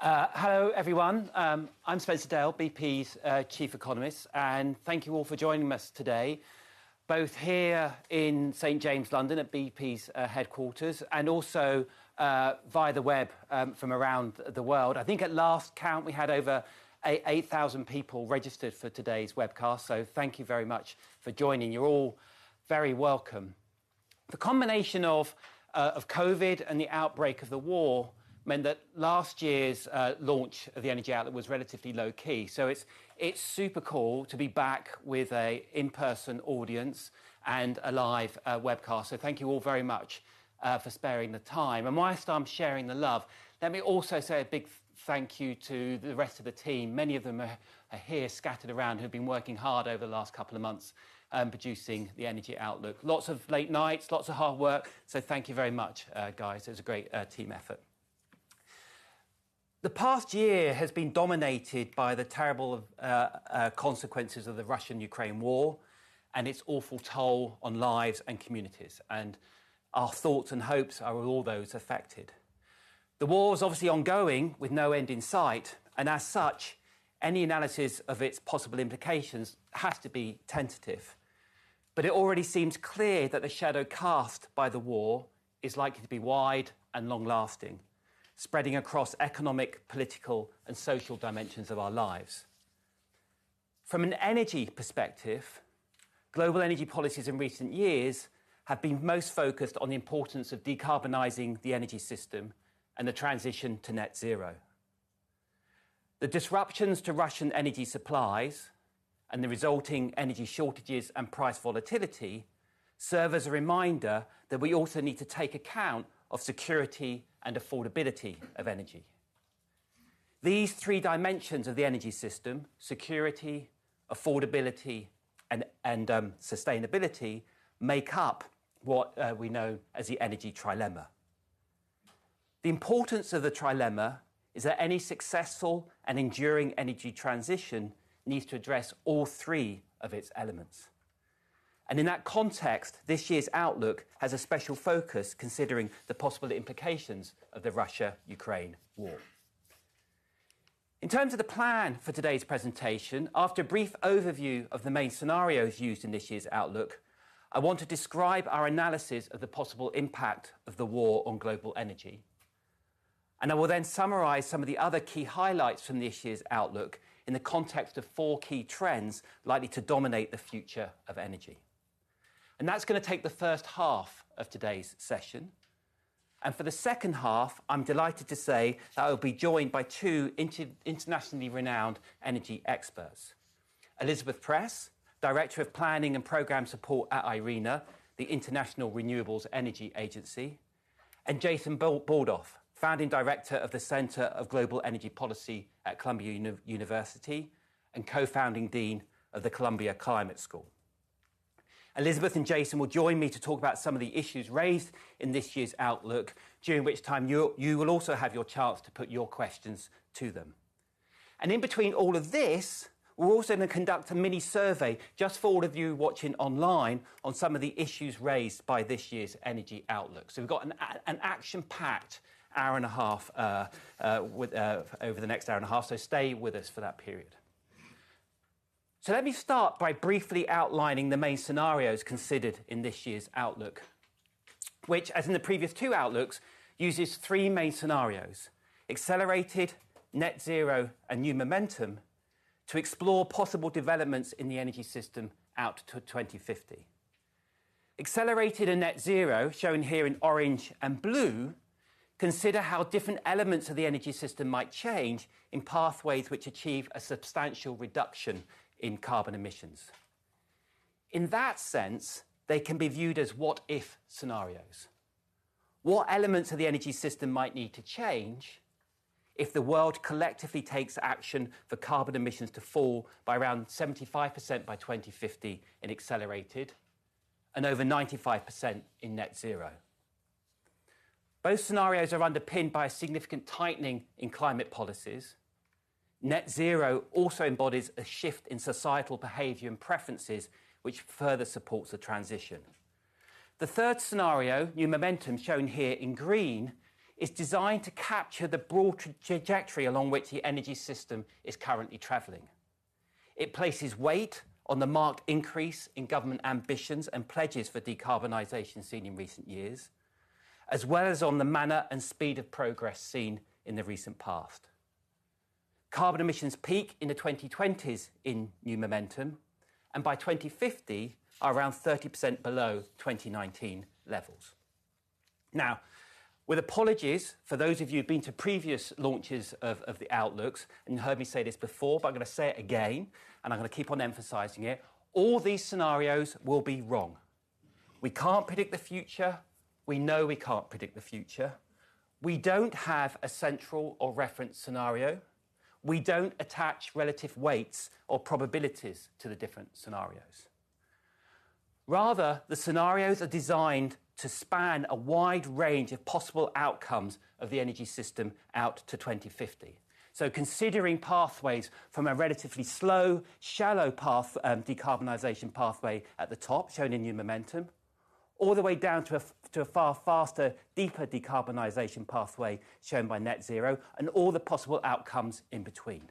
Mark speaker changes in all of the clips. Speaker 1: Hello everyone. I'm Spencer Dale, BP's Chief Economist, Thank you all for joining us today, both here in St James, London at BP's headquarters and also via the web from around the world. I think at last count we had over 8,000 people registered for today's webcast, Thank you very much for joining. You're all very welcome. The combination of Covid and the outbreak of the war meant that last year's launch of the Energy Outlook was relatively low key. It's super cool to be back with an in-person audience and a live webcast. Thank you all very much for sparing the time. Whilst I'm sharing the love, let me also say a big thank you to the rest of the team. Many of them are here scattered around, who've been working hard over the last couple of months, producing the Energy Outlook. Lots of late nights, lots of hard work, so thank you very much, guys. It was a great team effort. The past year has been dominated by the terrible consequences of the Russia-Ukraine war and its awful toll on lives and communities, and our thoughts and hopes are with all those affected. The war is obviously ongoing with no end in sight, and as such, any analysis of its possible implications has to be tentative. It already seems clear that the shadow cast by the war is likely to be wide and long-lasting, spreading across economic, political and social dimensions of our lives. From an energy perspective, global energy policies in recent years have been most focused on the importance of decarbonizing the energy system and the transition to net zero. The disruptions to Russian energy supplies and the resulting energy shortages and price volatility serve as a reminder that we also need to take account of security and affordability of energy. These three dimensions of the energy system, security, affordability and sustainability, make up what we know as the energy trilemma. The importance of the trilemma is that any successful and enduring energy transition needs to address all three of its elements. In that context, this year's outlook has a special focus considering the possible implications of the Russia-Ukraine war. In terms of the plan for today's presentation, after a brief overview of the main scenarios used in this year's outlook, I want to describe our analysis of the possible impact of the war on global energy. I will then summarize some of the other key highlights from this year's outlook in the context of four key trends likely to dominate the future of energy. That's going to take the first half of today's session, and for the second half, I'm delighted to say that I'll be joined by two internationally renowned energy experts, Elizabeth Press, Director of Planning and Programme Support at IRENA, the International Renewable Energy Agency, and Jason Bordoff, Founding Director of the Center on Global Energy Policy at Columbia University, and Co-founding Dean of the Columbia Climate School. Elizabeth and Jason will join me to talk about some of the issues raised in this year's Energy Outlook, during which time you will also have your chance to put your questions to them. In between all of this, we're also going to conduct a mini-survey just for all of you watching online on some of the issues raised by this year's Energy Outlook. We've got an action-packed hour and a half over the next hour and a half, stay with us for that period. Let me start by briefly outlining the main scenarios considered in this year's Energy Outlook which, as in the previous two outlooks, uses three main scenarios: Accelerated, Net Zero and New Momentum to explore possible developments in the energy system out to 2050. Accelerated and Net Zero, shown here in orange and blue, consider how different elements of the energy system might change in pathways which achieve a substantial reduction in carbon emissions. In that sense, they can be viewed as what if scenarios. What elements of the energy system might need to change if the world collectively takes action for carbon emissions to fall by around 75% by 2050 in Accelerated, and over 95% in Net Zero? Both scenarios are underpinned by a significant tightening in climate policies. Net Zero also embodies a shift in societal behavior and preferences which further supports the transition. The third scenario, New Momentum, shown here in green, is designed to capture the broad trajectory along which the energy system is currently traveling. It places weight on the marked increase in government ambitions and pledges for decarbonization seen in recent years, as well as on the manner and speed of progress seen in the recent past. Carbon emissions peak in the 2020s in New Momentum, and by 2050 are around 30% below 2019 levels. With apologies for those of you who've been to previous launches of the Outlooks and heard me say this before, I'm going to say it again and I'm going to keep on emphasizing it, all these scenarios will be wrong. We can't predict the future. We know we can't predict the future. We don't have a central or reference scenario. We don't attach relative weights or probabilities to the different scenarios. The scenarios are designed to span a wide range of possible outcomes of the energy system out to 2050. Considering pathways from a relatively slow, shallow path, decarbonization pathway at the top, shown in New Momentum. All the way down to a far faster, deeper decarbonization pathway shown by Net Zero and all the possible outcomes in between.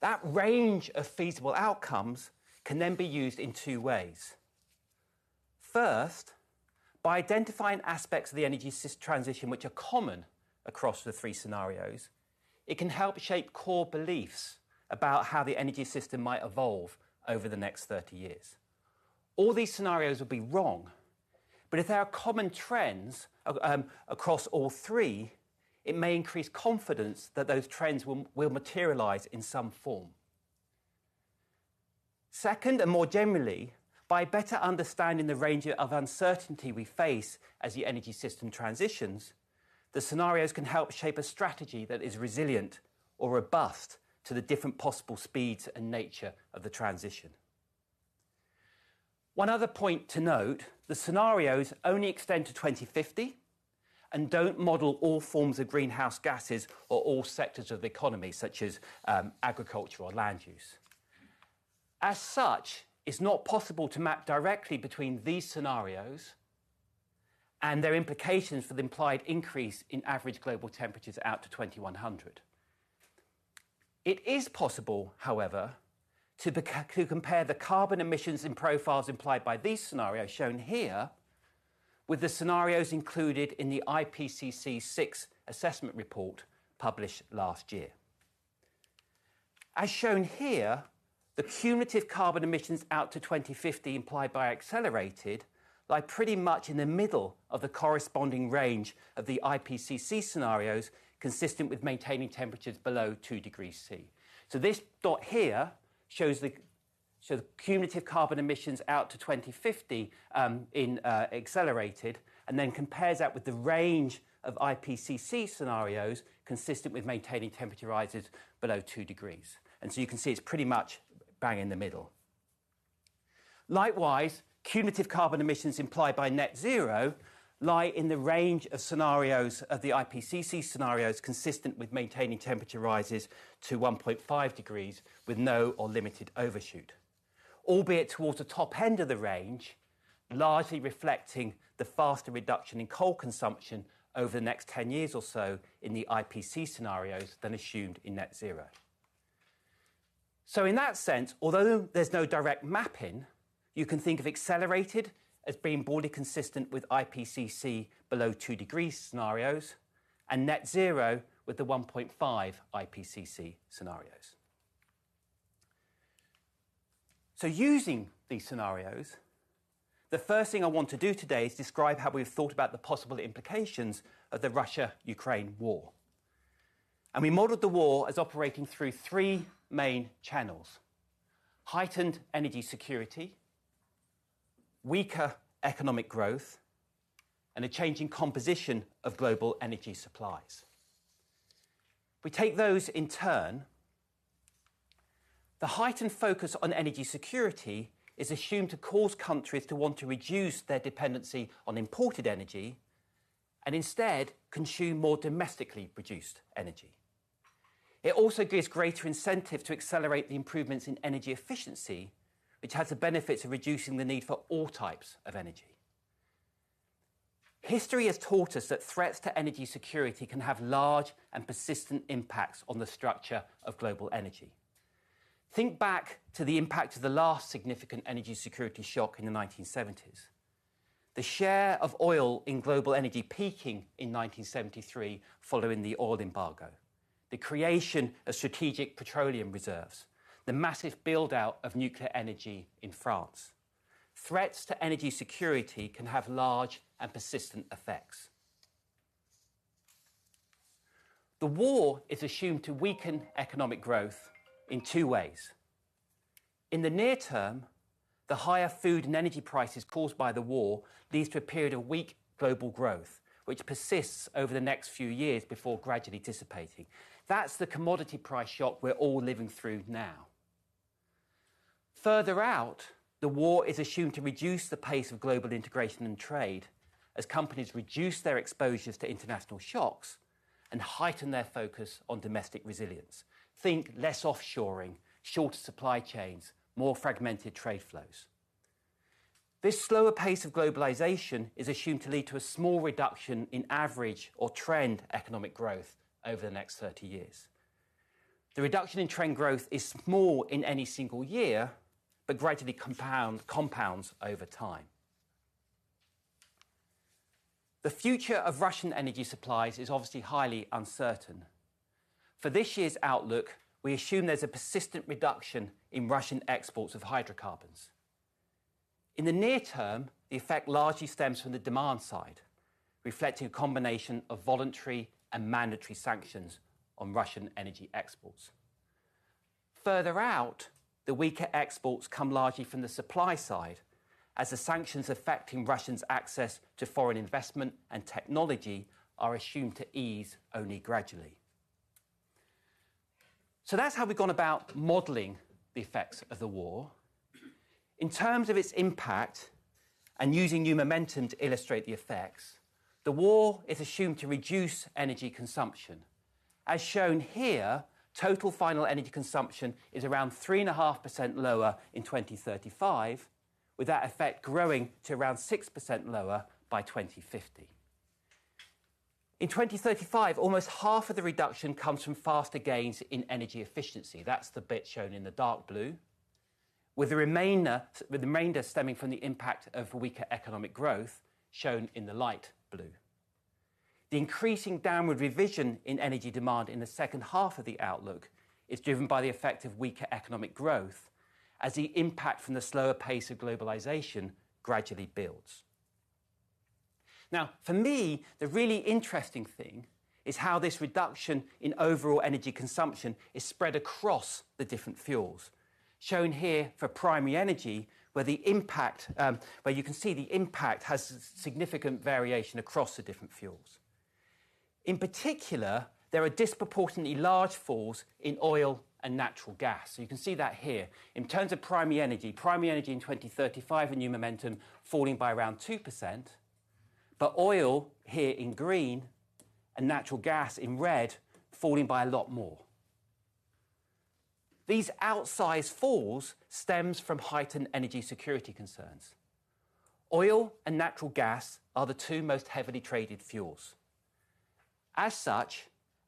Speaker 1: That range of feasible outcomes can then be used in two ways. First, by identifying aspects of the energy system transition which are common across the three scenarios, it can help shape core beliefs about how the energy system might evolve over the next 30 years. All these scenarios will be wrong, but if there are common trends across all three, it may increase confidence that those trends will materialize in some form. Second, and more generally, by better understanding the range of uncertainty we face as the energy system transitions, the scenarios can help shape a strategy that is resilient or robust to the different possible speeds and nature of the transition. One other point to note, the scenarios only extend to 2050 and don't model all forms of greenhouse gases or all sectors of the economy, such as agriculture or land use. As such, it's not possible to map directly between these scenarios and their implications for the implied increase in average global temperatures out to 2100. It is possible, however, to compare the carbon emissions and profiles implied by these scenarios shown here, with the scenarios included in the IPCC Sixth Assessment Report published last year. As shown here, the cumulative carbon emissions out to 2050 implied by Accelerated lie pretty much in the middle of the corresponding range of the IPCC scenarios, consistent with maintaining temperatures below two degrees C. This dot here shows the cumulative carbon emissions out to 2050 in Accelerated, compares that with the range of IPCC scenarios, consistent with maintaining temperature rises below two degrees, you can see it's pretty much bang in the middle. Likewise, cumulative carbon emissions implied by Net Zero lie in the range of scenarios of the IPCC scenarios, consistent with maintaining temperature rises to 1.5 degrees with no or limited overshoot, albeit towards the top end of the range, largely reflecting the faster reduction in coal consumption over the next 10 years or so in the IPCC scenarios than assumed in Net Zero. In that sense, although there's no direct mapping, you can think of Accelerated as being broadly consistent with IPCC below two degrees scenarios and Net Zero with the 1.5 IPCC scenarios. Using these scenarios, the first thing I want to do today is describe how we've thought about the possible implications of the Russia-Ukraine war, and we modeled the war as operating through three main channels: heightened energy security, weaker economic growth, and a change in composition of global energy supplies. We take those in turn. The heightened focus on energy security is assumed to cause countries to want to reduce their dependency on imported energy and instead consume more domestically produced energy. It also gives greater incentive to accelerate the improvements in energy efficiency, which has the benefits of reducing the need for all types of energy. History has taught us that threats to energy security can have large and persistent impacts on the structure of global energy. Think back to the impact of the last significant energy security shock in the 1970s. The share of oil in global energy peaking in 1973 following the oil embargo, the creation of Strategic Petroleum Reserves, the massive build-out of nuclear energy in France. Threats to energy security can have large and persistent effects. The war is assumed to weaken economic growth in two ways. In the near term, the higher food and energy prices caused by the war leads to a period of weak global growth, which persists over the next few years before gradually dissipating. That's the commodity price shock we're all living through now. Further out, the war is assumed to reduce the pace of global integration and trade as companies reduce their exposures to international shocks and heighten their focus on domestic resilience. Think less offshoring, shorter supply chains, more fragmented trade flows. This slower pace of globalization is assumed to lead to a small reduction in average or trend economic growth over the next 30 years. The reduction in trend growth is small in any single year but gradually compounds over time. The future of Russian energy supplies is obviously highly uncertain. For this year's Energy Outlook, we assume there's a persistent reduction in Russian exports of hydrocarbons. In the near term, the effect largely stems from the demand side, reflecting a combination of voluntary and mandatory sanctions on Russian energy exports. Further out, the weaker exports come largely from the supply side, as the sanctions affecting Russians' access to foreign investment and technology are assumed to ease only gradually. That's how we've gone about modeling the effects of the war. In terms of its impact, and using New Momentum to illustrate the effects, the war is assumed to reduce energy consumption. As shown here, total final energy consumption is around 3.5% lower in 2035, with that effect growing to around 6% lower by 2050. In 2035, almost half of the reduction comes from faster gains in energy efficiency. That's the bit shown in the dark blue. With the remainder stemming from the impact of weaker economic growth shown in the light blue. The increasing downward revision in energy demand in the second half of the outlook is driven by the effect of weaker economic growth as the impact from the slower pace of globalization gradually builds. For me, the really interesting thing is how this reduction in overall energy consumption is spread across the different fuels. Shown here for primary energy, where the impact, where you can see the impact has significant variation across the different fuels. In particular, there are disproportionately large falls in oil and natural gas. You can see that here. In terms of primary energy, primary energy in 2035 in New Momentum falling by around 2%, but oil, here in green, and natural gas, in red, falling by a lot more. These outsized falls stems from heightened energy security concerns. Oil and natural gas are the two most heavily traded fuels.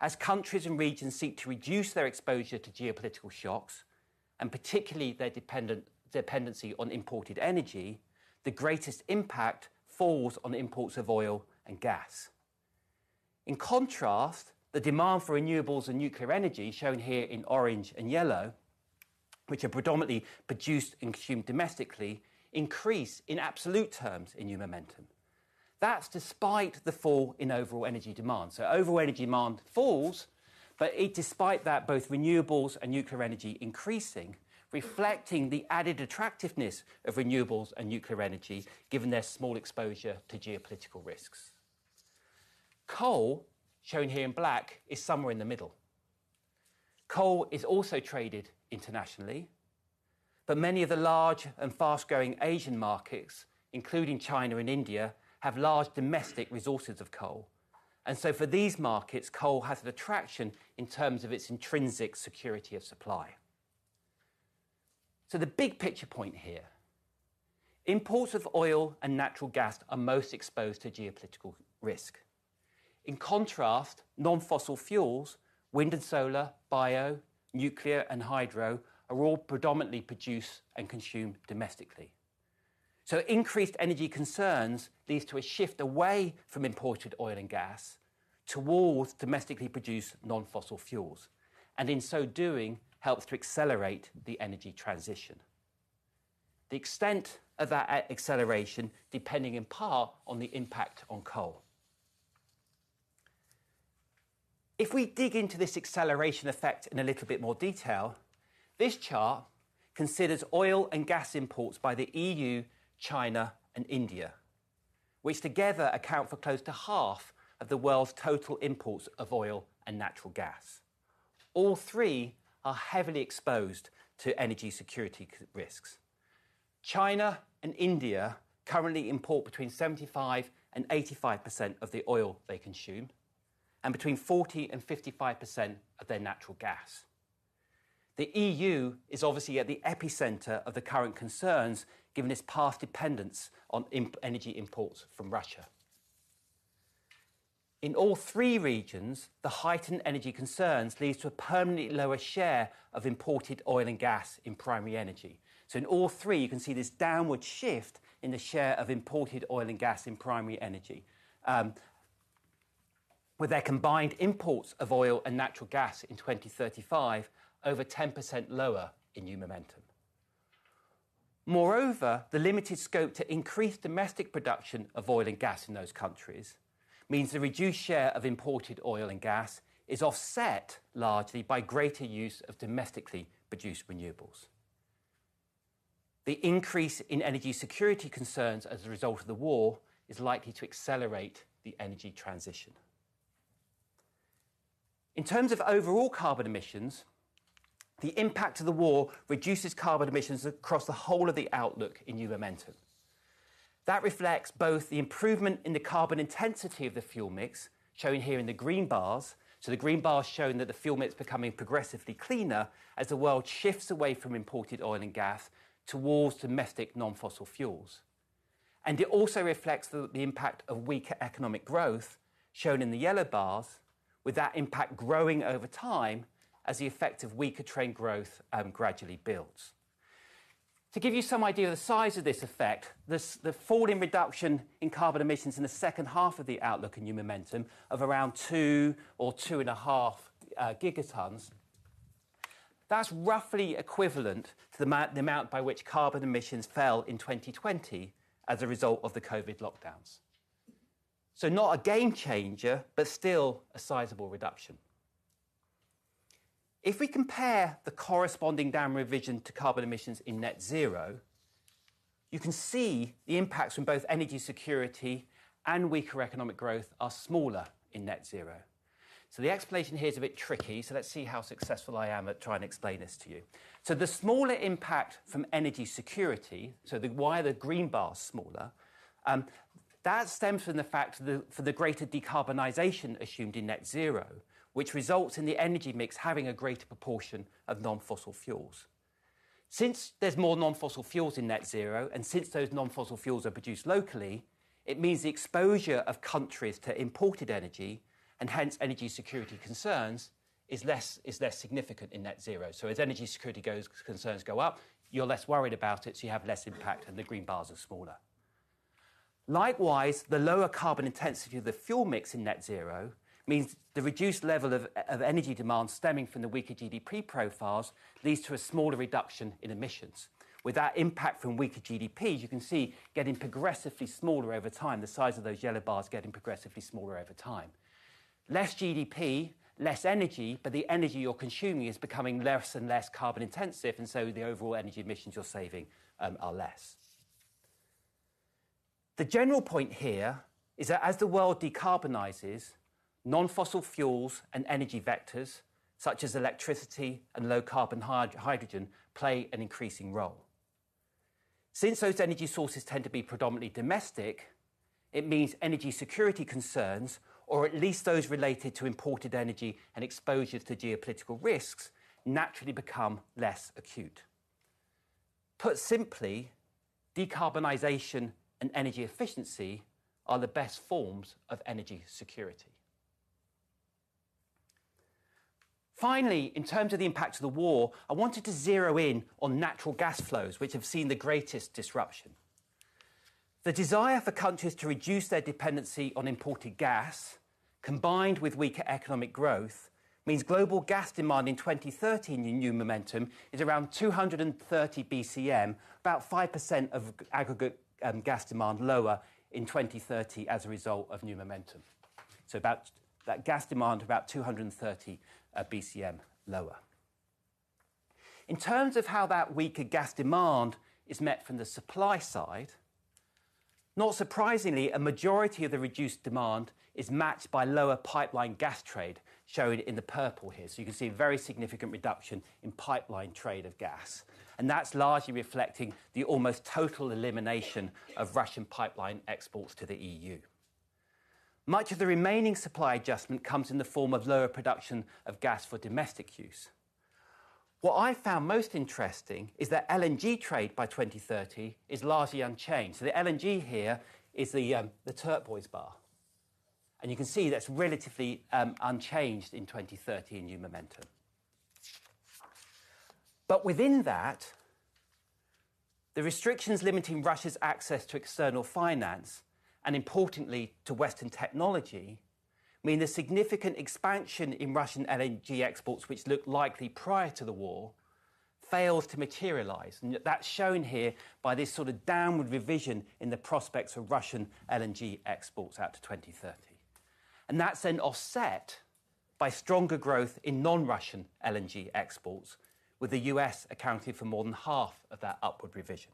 Speaker 1: As countries and regions seek to reduce their exposure to geopolitical shocks, and particularly their dependency on imported energy, the greatest impact falls on imports of oil and gas. In contrast, the demand for renewables and nuclear energy, shown here in orange and yellow, which are predominantly produced and consumed domestically, increase in absolute terms in New Momentum. That's despite the fall in overall energy demand. Overall energy demand falls, but despite that, both renewables and nuclear energy increasing, reflecting the added attractiveness of renewables and nuclear energy, given their small exposure to geopolitical risks. Coal, shown here in black, is somewhere in the middle. Coal is also traded internationally, many of the large and fast-growing Asian markets, including China and India, have large domestic resources of coal. For these markets, coal has an attraction in terms of its intrinsic security of supply. The big picture point here, imports of oil and natural gas are most exposed to geopolitical risk. In contrast, non-fossil fuels, wind and solar, bio, nuclear, and hydro, are all predominantly produced and consumed domestically. Increased energy concerns leads to a shift away from imported oil and gas towards domestically produced non-fossil fuels, and in so doing, helps to accelerate the energy transition. The extent of that acceleration depending in part on the impact on coal. If we dig into this acceleration effect in a little bit more detail, this chart considers oil and gas imports by the EU, China, and India, which together account for close to half of the world's total imports of oil and natural gas. All three are heavily exposed to energy security risks. China and India currently import between 75%-85% of the oil they consume, and between 40%-55% of their natural gas. The EU is obviously at the epicenter of the current concerns, given its past dependence on energy imports from Russia. In all three regions, the heightened energy concerns leads to a permanently lower share of imported oil and gas in primary energy. In all three, you can see this downward shift in the share of imported oil and gas in primary energy. With their combined imports of oil and natural gas in 2035 over 10% lower in New Momentum. Moreover, the limited scope to increase domestic production of oil and gas in those countries means the reduced share of imported oil and gas is offset largely by greater use of domestically produced renewables. The increase in energy security concerns as a result of the war is likely to accelerate the energy transition. In terms of overall carbon emissions, the impact of the war reduces carbon emissions across the whole of the outlook in New Momentum. That reflects both the improvement in the carbon intensity of the fuel mix, shown here in the green bars, so the green bars showing that the fuel mix is becoming progressively cleaner as the world shifts away from imported oil and gas towards domestic non-fossil fuels. It also reflects the impact of weaker economic growth, shown in the yellow bars, with that impact growing over time as the effect of weaker trade growth gradually builds. To give you some idea of the size of this effect, the falling reduction in carbon emissions in the second half of the outlook in New Momentum of around 2 Gt or 2.5 Gt, that's roughly equivalent to the amount by which carbon emissions fell in 2020 as a result of the COVID lockdowns. Not a game changer, but still a sizable reduction. If we compare the corresponding downward revision to carbon emissions in Net Zero, you can see the impacts from both energy security and weaker economic growth are smaller in Net Zero. The explanation here is a bit tricky, so let's see how successful I am at trying to explain this to you. The smaller impact from energy security, why the green bar is smaller. That stems from the fact for the greater decarbonization assumed in Net Zero, which results in the energy mix having a greater proportion of non-fossil fuels. Since there's more non-fossil fuels in Net Zero, and since those non-fossil fuels are produced locally, it means the exposure of countries to imported energy, and hence energy security concerns, is less significant in Net Zero. As energy security goes, concerns go up, you're less worried about it, so you have less impact, and the green bars are smaller. Likewise, the lower carbon intensity of the fuel mix in Net Zero means the reduced level of energy demand stemming from the weaker GDP profiles leads to a smaller reduction in emissions. With that impact from weaker GDP, as you can see, getting progressively smaller over time, the size of those yellow bars getting progressively smaller over time. Less GDP, less energy, but the energy you're consuming is becoming less and less carbon intensive, and so the overall energy emissions you're saving are less. The general point here is that as the world decarbonizes, non-fossil fuels and energy vectors, such as electricity and low carbon hydrogen, play an increasing role. Since those energy sources tend to be predominantly domestic, it means energy security concerns, or at least those related to imported energy and exposures to geopolitical risks, naturally become less acute. Put simply, decarbonization and energy efficiency are the best forms of energy security. Finally, in terms of the impact of the war, I wanted to zero in on natural gas flows, which have seen the greatest disruption. The desire for countries to reduce their dependency on imported gas, combined with weaker economic growth, means global gas demand in 2030 in New Momentum is around 230 BCM, about 5% of aggregate gas demand lower in 2030 as a result of New Momentum. About, that gas demand about 230 BCM lower. In terms of how that weaker gas demand is met from the supply side, not surprisingly, a majority of the reduced demand is matched by lower pipeline gas trade, shown in the purple here. You can see a very significant reduction in pipeline trade of gas, and that's largely reflecting the almost total elimination of Russian pipeline exports to the EU. Much of the remaining supply adjustment comes in the form of lower production of gas for domestic use. What I found most interesting is that LNG trade by 2030 is largely unchanged. The LNG here is the turquoise bar, and you can see that's relatively unchanged in 2030 in New Momentum. Within that, the restrictions limiting Russia's access to external finance, and importantly to Western technology, mean the significant expansion in Russian LNG exports, which looked likely prior to the war, fails to materialize. That's shown here by this sort of downward revision in the prospects for Russian LNG exports out to 2030, and that's then offset by stronger growth in non-Russian LNG exports, with the US accounting for more than half of that upward revision.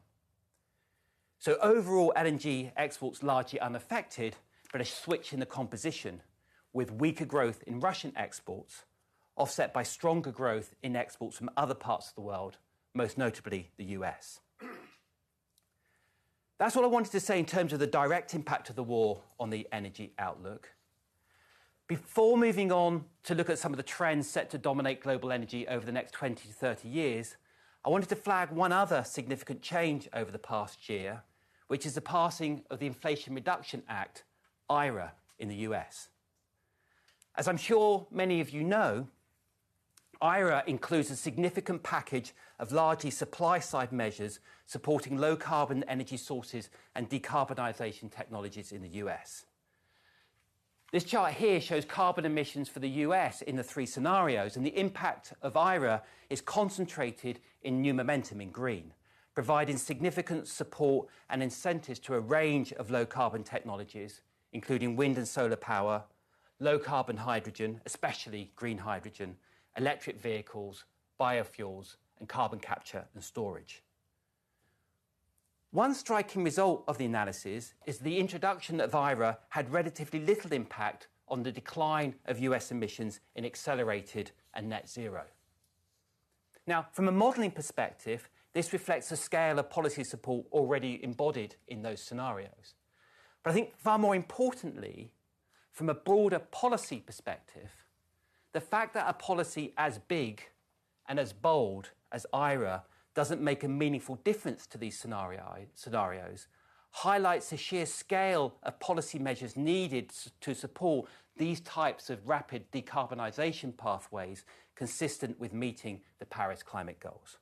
Speaker 1: Overall, LNG exports largely unaffected, but a switch in the composition, with weaker growth in Russian exports offset by stronger growth in exports from other parts of the world, most notably the US. That's what I wanted to say in terms of the direct impact of the war on the energy outlook. Before moving on to look at some of the trends set to dominate global energy over the next 20-30 years, I wanted to flag one other significant change over the past year, which is the passing of the Inflation Reduction Act, IRA, in the U.S. As I'm sure many of you know, IRA includes a significant package of largely supply-side measures supporting low-carbon energy sources and decarbonization technologies in the U.S. This chart here shows carbon emissions for the U.S. in the three scenarios, and the impact of IRA is concentrated in New Momentum in green, providing significant support and incentives to a range of low-carbon technologies, including wind and solar power, low-carbon hydrogen, especially Green hydrogen, electric vehicles, biofuels, and carbon capture and storage. One striking result of the analysis is the introduction of IRA had relatively little impact on the decline of US emissions in Accelerated and Net Zero. From a modeling perspective, this reflects the scale of policy support already embodied in those scenarios. I think far more importantly, from a broader policy perspective, the fact that a policy as big and as bold as IRA doesn't make a meaningful difference to these scenarios highlights the sheer scale of policy measures needed to support these types of rapid decarbonization pathways consistent with meeting the Paris climate goals.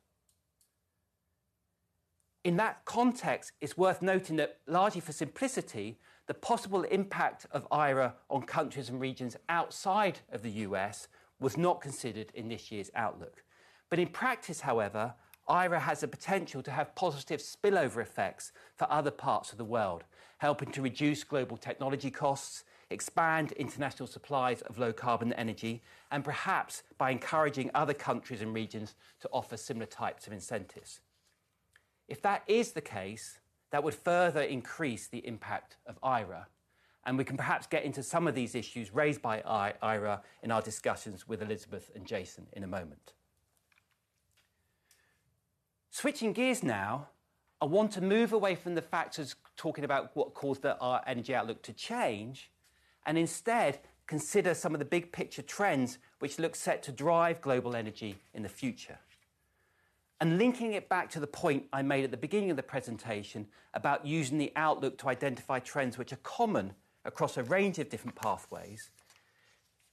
Speaker 1: In that context, it's worth noting that largely for simplicity, the possible impact of IRA on countries and regions outside of the US was not considered in this year's outlook. In practice, however, IRA has the potential to have positive spillover effects for other parts of the world, helping to reduce global technology costs, expand international supplies of low-carbon energy, and perhaps by encouraging other countries and regions to offer similar types of incentives. If that is the case, that would further increase the impact of IRA. We can perhaps get into some of these issues raised by IRA in our discussions with Elizabeth and Jason in a moment. Switching gears now, I want to move away from the factors talking about what caused our Energy Outlook to change, and instead consider some of the big picture trends which look set to drive global energy in the future. Linking it back to the point I made at the beginning of the presentation about using the outlook to identify trends which are common across a range of different pathways,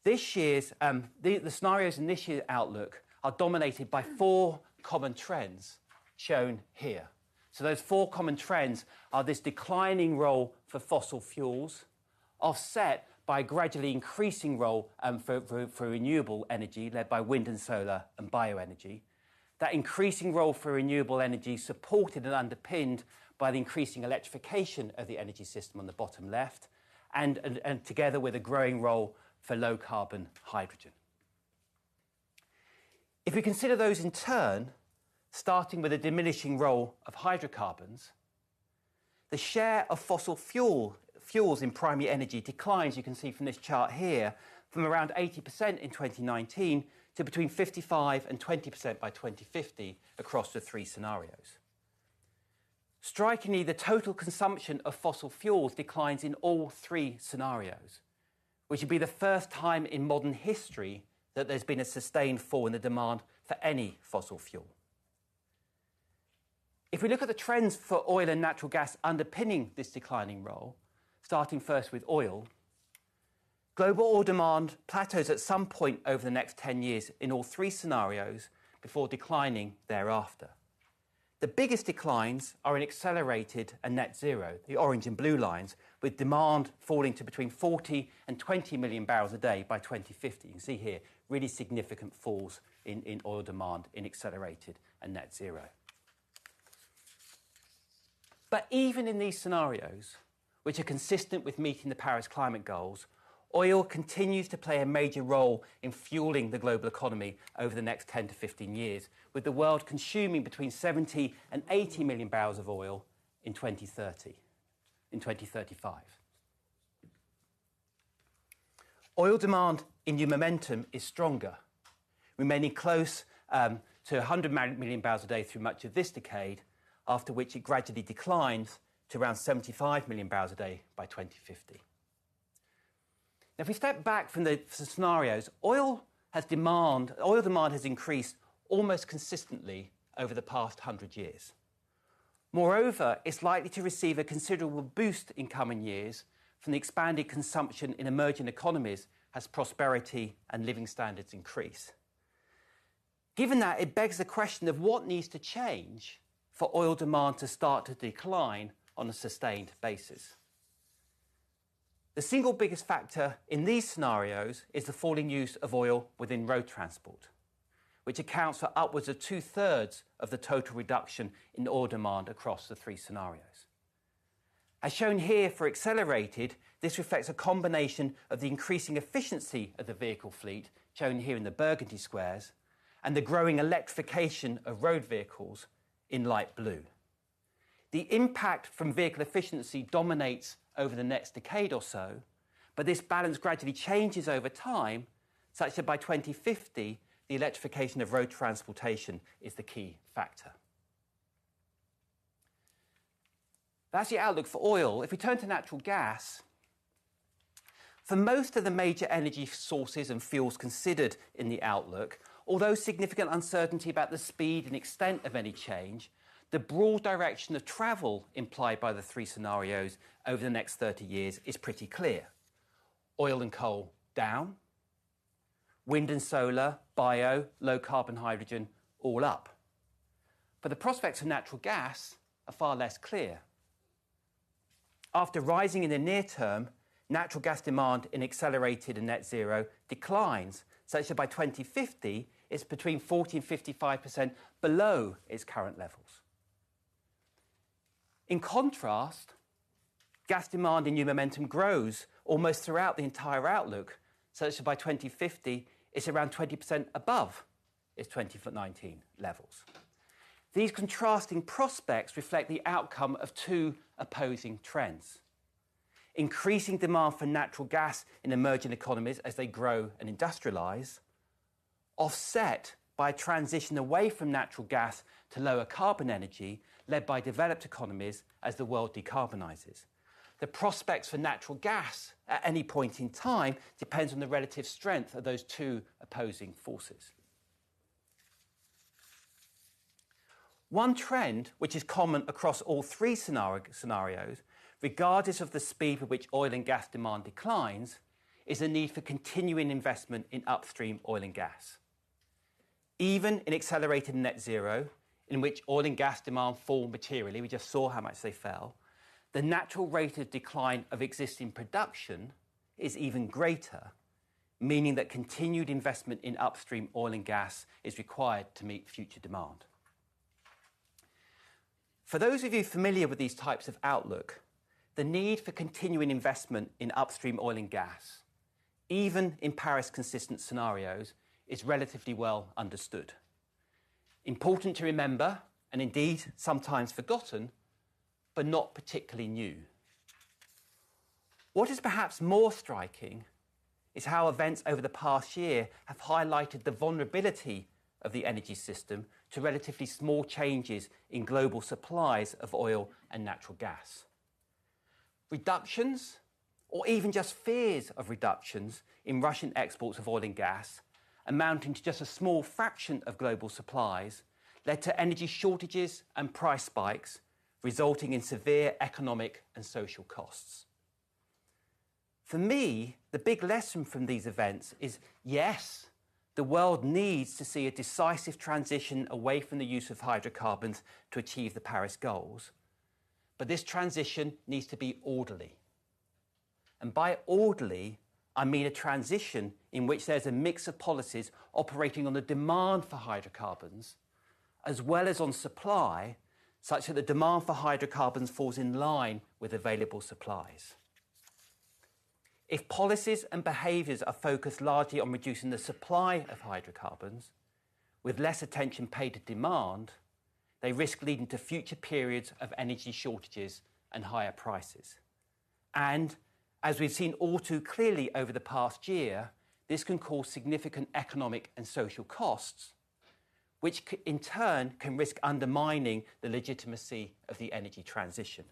Speaker 1: this year's, the scenarios in this year's outlook are dominated by four common trends shown here. Those four common trends are this declining role for fossil fuels, offset by gradually increasing role for renewable energy led by wind and solar and bioenergy. That increasing role for renewable energy supported and underpinned by the increasing electrification of the energy system on the bottom left and together with a growing role for low carbon hydrogen. If we consider those in turn, starting with the diminishing role of hydrocarbons, the share of fossil fuels in primary energy declines, you can see from this chart here, from around 80% in 2019 to between 55% and 20% by 2050 across the three scenarios. Strikingly, the total consumption of fossil fuels declines in all three scenarios, which would be the first time in modern history that there's been a sustained fall in the demand for any fossil fuel. If we look at the trends for oil and natural gas underpinning this declining role, starting first with oil, global oil demand plateaus at some point over the next 10 years in all three scenarios before declining thereafter. The biggest declines are in Accelerated and Net Zero, the orange and blue lines, with demand falling to between 40 million and 20 million barrels a day by 2050. You can see here really significant falls in oil demand in Accelerated and Net Zero. Even in these scenarios, which are consistent with meeting the Paris Agreement, oil continues to play a major role in fueling the global economy over the next 10-15 years, with the world consuming between 70 million-80 million barrels of oil in 2035. Oil demand in New Momentum is stronger, remaining close to 100 million barrels a day through much of this decade, after which it gradually declines to around 75 million barrels a day by 2050. If we step back from the scenarios, oil demand has increased almost consistently over the past 100 years. Moreover, it's likely to receive a considerable boost in coming years from the expanded consumption in emerging economies as prosperity and living standards increase. Given that, it begs the question of what needs to change for oil demand to start to decline on a sustained basis. The single biggest factor in these scenarios is the falling use of oil within road transport, which accounts for upwards of 2/3 of the total reduction in oil demand across the three scenarios. As shown here for Accelerated, this reflects a combination of the increasing efficiency of the vehicle fleet, shown here in the burgundy squares, and the growing electrification of road vehicles in light blue. The impact from vehicle efficiency dominates over the next decade or so, but this balance gradually changes over time, such that by 2050, the electrification of road transportation is the key factor. That's the outlook for oil. If we turn to natural gas, for most of the major energy sources and fuels considered in the Outlook, although significant uncertainty about the speed and extent of any change, the broad direction of travel implied by the three scenarios over the next 30 years is pretty clear. Oil and coal down, wind and solar, bio, low carbon hydrogen all up. The prospects for natural gas are far less clear. After rising in the near term, natural gas demand in Accelerated and Net Zero declines, such that by 2050, it's between 40% and 55% below its current levels. In contrast, gas demand and New Momentum grows almost throughout the entire Outlook, such that by 2050, it's around 20% above its 2019 levels. These contrasting prospects reflect the outcome of two opposing trends. Increasing demand for natural gas in emerging economies as they grow and industrialize, offset by a transition away from natural gas to lower carbon energy led by developed economies as the world decarbonizes. The prospects for natural gas at any point in time depends on the relative strength of those two opposing forces. One trend which is common across all three scenarios, regardless of the speed at which oil and gas demand declines, is the need for continuing investment in upstream oil and gas. Even in Accelerated Net Zero, in which oil and gas demand fall materially, we just saw how much they fell, the natural rate of decline of existing production is even greater, meaning that continued investment in upstream oil and gas is required to meet future demand. For those of you familiar with these types of outlook, the need for continuing investment in upstream oil and gas, even in Paris-consistent scenarios, is relatively well understood. Important to remember, and indeed sometimes forgotten, but not particularly new. What is perhaps more striking is how events over the past year have highlighted the vulnerability of the energy system to relatively small changes in global supplies of oil and natural gas. Reductions, or even just fears of reductions in Russian exports of oil and gas amounting to just a small fraction of global supplies led to energy shortages and price spikes, resulting in severe economic and social costs. For me, the big lesson from these events is, yes, the world needs to see a decisive transition away from the use of hydrocarbons to achieve the Paris goals, but this transition needs to be orderly. By orderly, I mean a transition in which there's a mix of policies operating on the demand for hydrocarbons as well as on supply, such that the demand for hydrocarbons falls in line with available supplies. If policies and behaviors are focused largely on reducing the supply of hydrocarbons with less attention paid to demand, they risk leading to future periods of energy shortages and higher prices. As we've seen all too clearly over the past year, this can cause significant economic and social costs, which in turn can risk undermining the legitimacy of the energy transition.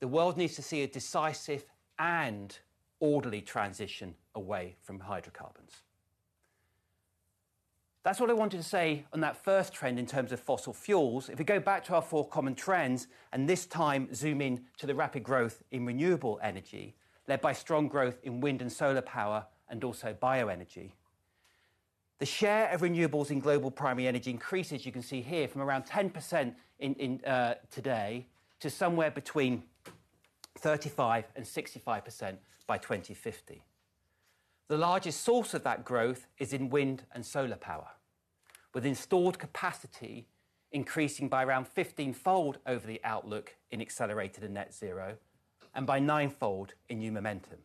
Speaker 1: The world needs to see a decisive and orderly transition away from hydrocarbons. That's what I wanted to say on that first trend in terms of fossil fuels. If we go back to our four common trends, and this time zoom in to the rapid growth in renewable energy, led by strong growth in wind and solar power and also bioenergy. The share of renewables in global primary energy increases, you can see here, from around 10% in today to somewhere between 35% and 65% by 2050. The largest source of that growth is in wind and solar power, with installed capacity increasing by around 15-fold over the Energy Outlook in Accelerated and Net Zero, and by nine-fold in New Momentum.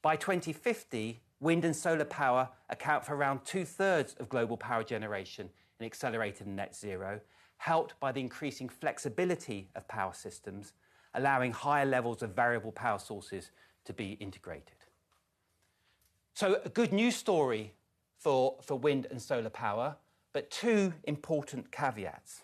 Speaker 1: By 2050, wind and solar power account for around two-thirds of global power generation in Accelerated Net Zero, helped by the increasing flexibility of power systems, allowing higher levels of variable power sources to be integrated. A good news story for wind and solar power, but two important caveats.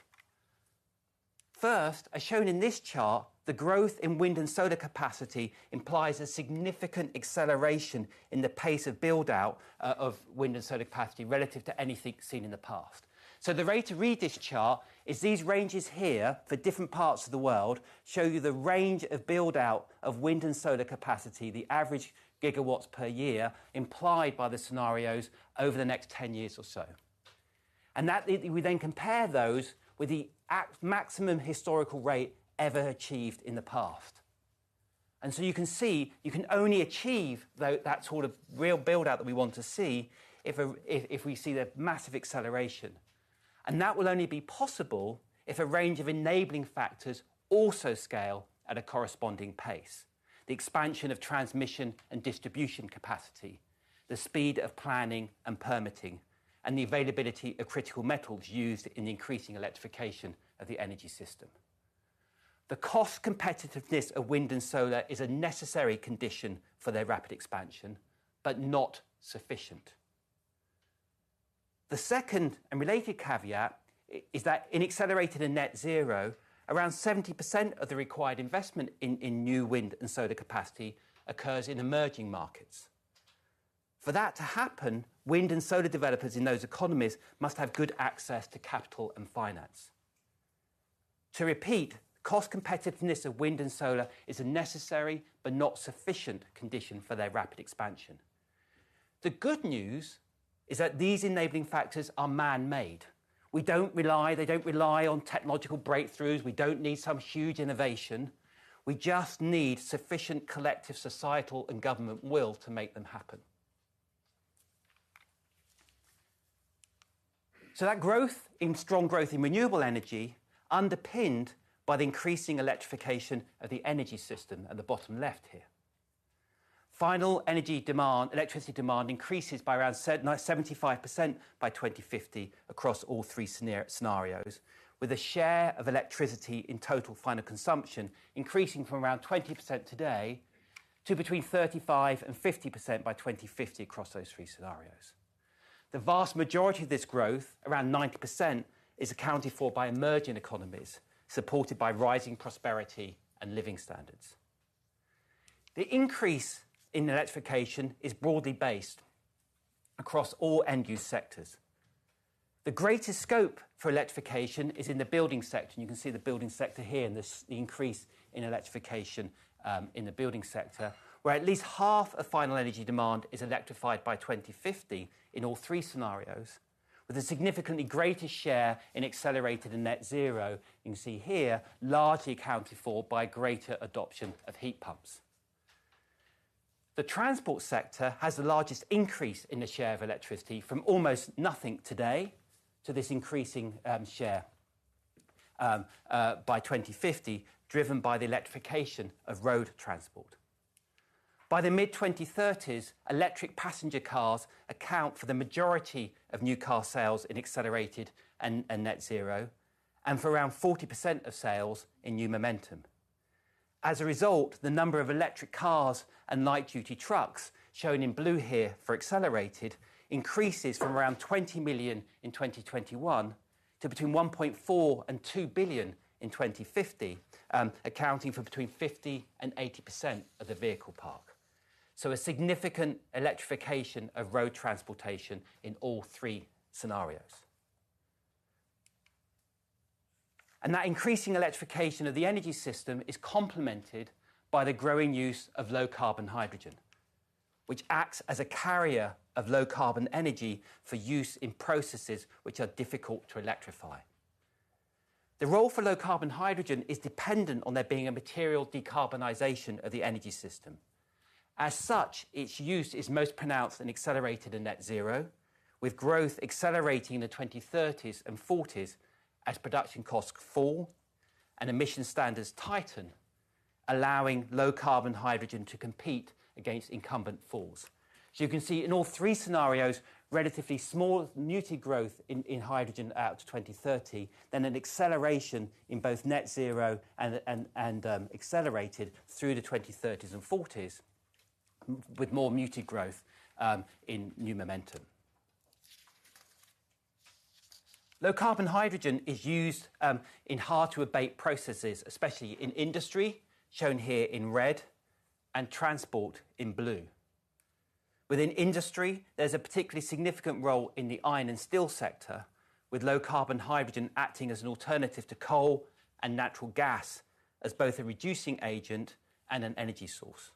Speaker 1: First, as shown in this chart, the growth in wind and solar capacity implies a significant acceleration in the pace of build-out of wind and solar capacity relative to anything seen in the past. The way to read this chart is these ranges here for different parts of the world show you the range of build-out of wind and solar capacity, the average gigawatts per year implied by the scenarios over the next 10 years or so. We then compare those with the maximum historical rate ever achieved in the past. You can see, you can only achieve that sort of real build-out that we want to see if we see the massive acceleration. That will only be possible if a range of enabling factors also scale at a corresponding pace. The expansion of transmission and distribution capacity, the speed of planning and permitting, and the availability of critical metals used in increasing electrification of the energy system. The cost competitiveness of wind and solar is a necessary condition for their rapid expansion, but not sufficient. The second and related caveat is that in Accelerated and Net Zero, around 70% of the required investment in new wind and solar capacity occurs in emerging markets. For that to happen, wind and solar developers in those economies must have good access to capital and finance. To repeat, cost competitiveness of wind and solar is a necessary but not sufficient condition for their rapid expansion. The good news is that these enabling factors are man-made. They don't rely on technological breakthroughs. We don't need some huge innovation. We just need sufficient collective societal and government will to make them happen. That strong growth in renewable energy underpinned by the increasing electrification of the energy system at the bottom left here. Final energy demand, electricity demand increases by around 75% by 2050 across all three scenarios, with a share of electricity in total final consumption increasing from around 20% today to between 35% and 50% by 2050 across those three scenarios. The vast majority of this growth, around 90%, is accounted for by emerging economies, supported by rising prosperity and living standards. The increase in electrification is broadly based across all end use sectors. The greatest scope for electrification is in the building sector, and you can see the building sector here, and the increase in electrification in the building sector, where at least half of final energy demand is electrified by 2050 in all three scenarios, with a significantly greater share in Accelerated and Net Zero, you can see here, largely accounted for by greater adoption of heat pumps. The transport sector has the largest increase in the share of electricity from almost nothing today to this increasing share by 2050, driven by the electrification of road transport. By the mid-2030s, electric passenger cars account for the majority of new car sales in Accelerated and Net Zero, and for around 40% of sales in New Momentum. As a result, the number of electric cars and light duty trucks, shown in blue here for Accelerated, increases from around 20 million in 2021 to between 1.4 billion and 2 billion in 2050, accounting for between 50% and 80% of the vehicle park. A significant electrification of road transportation in all three scenarios. That increasing electrification of the energy system is complemented by the growing use of low carbon hydrogen, which acts as a carrier of low carbon energy for use in processes which are difficult to electrify. The role for low carbon hydrogen is dependent on there being a material decarbonization of the energy system. As such, its use is most pronounced and Accelerated in Net Zero, with growth accelerating in the 2030s and 40s as production costs fall and emission standards tighten, allowing low carbon hydrogen to compete against incumbent fuels. You can see in all three scenarios, relatively small muted growth in hydrogen out to 2030, then an acceleration in both Net Zero and Accelerated through the 2030s and 2040s, with more muted growth in New Momentum. Low carbon hydrogen is used in hard to abate processes, especially in industry, shown here in red, and transport in blue. Within industry, there's a particularly significant role in the iron and steel sector, with low carbon hydrogen acting as an alternative to coal and natural gas as both a reducing agent and an energy source.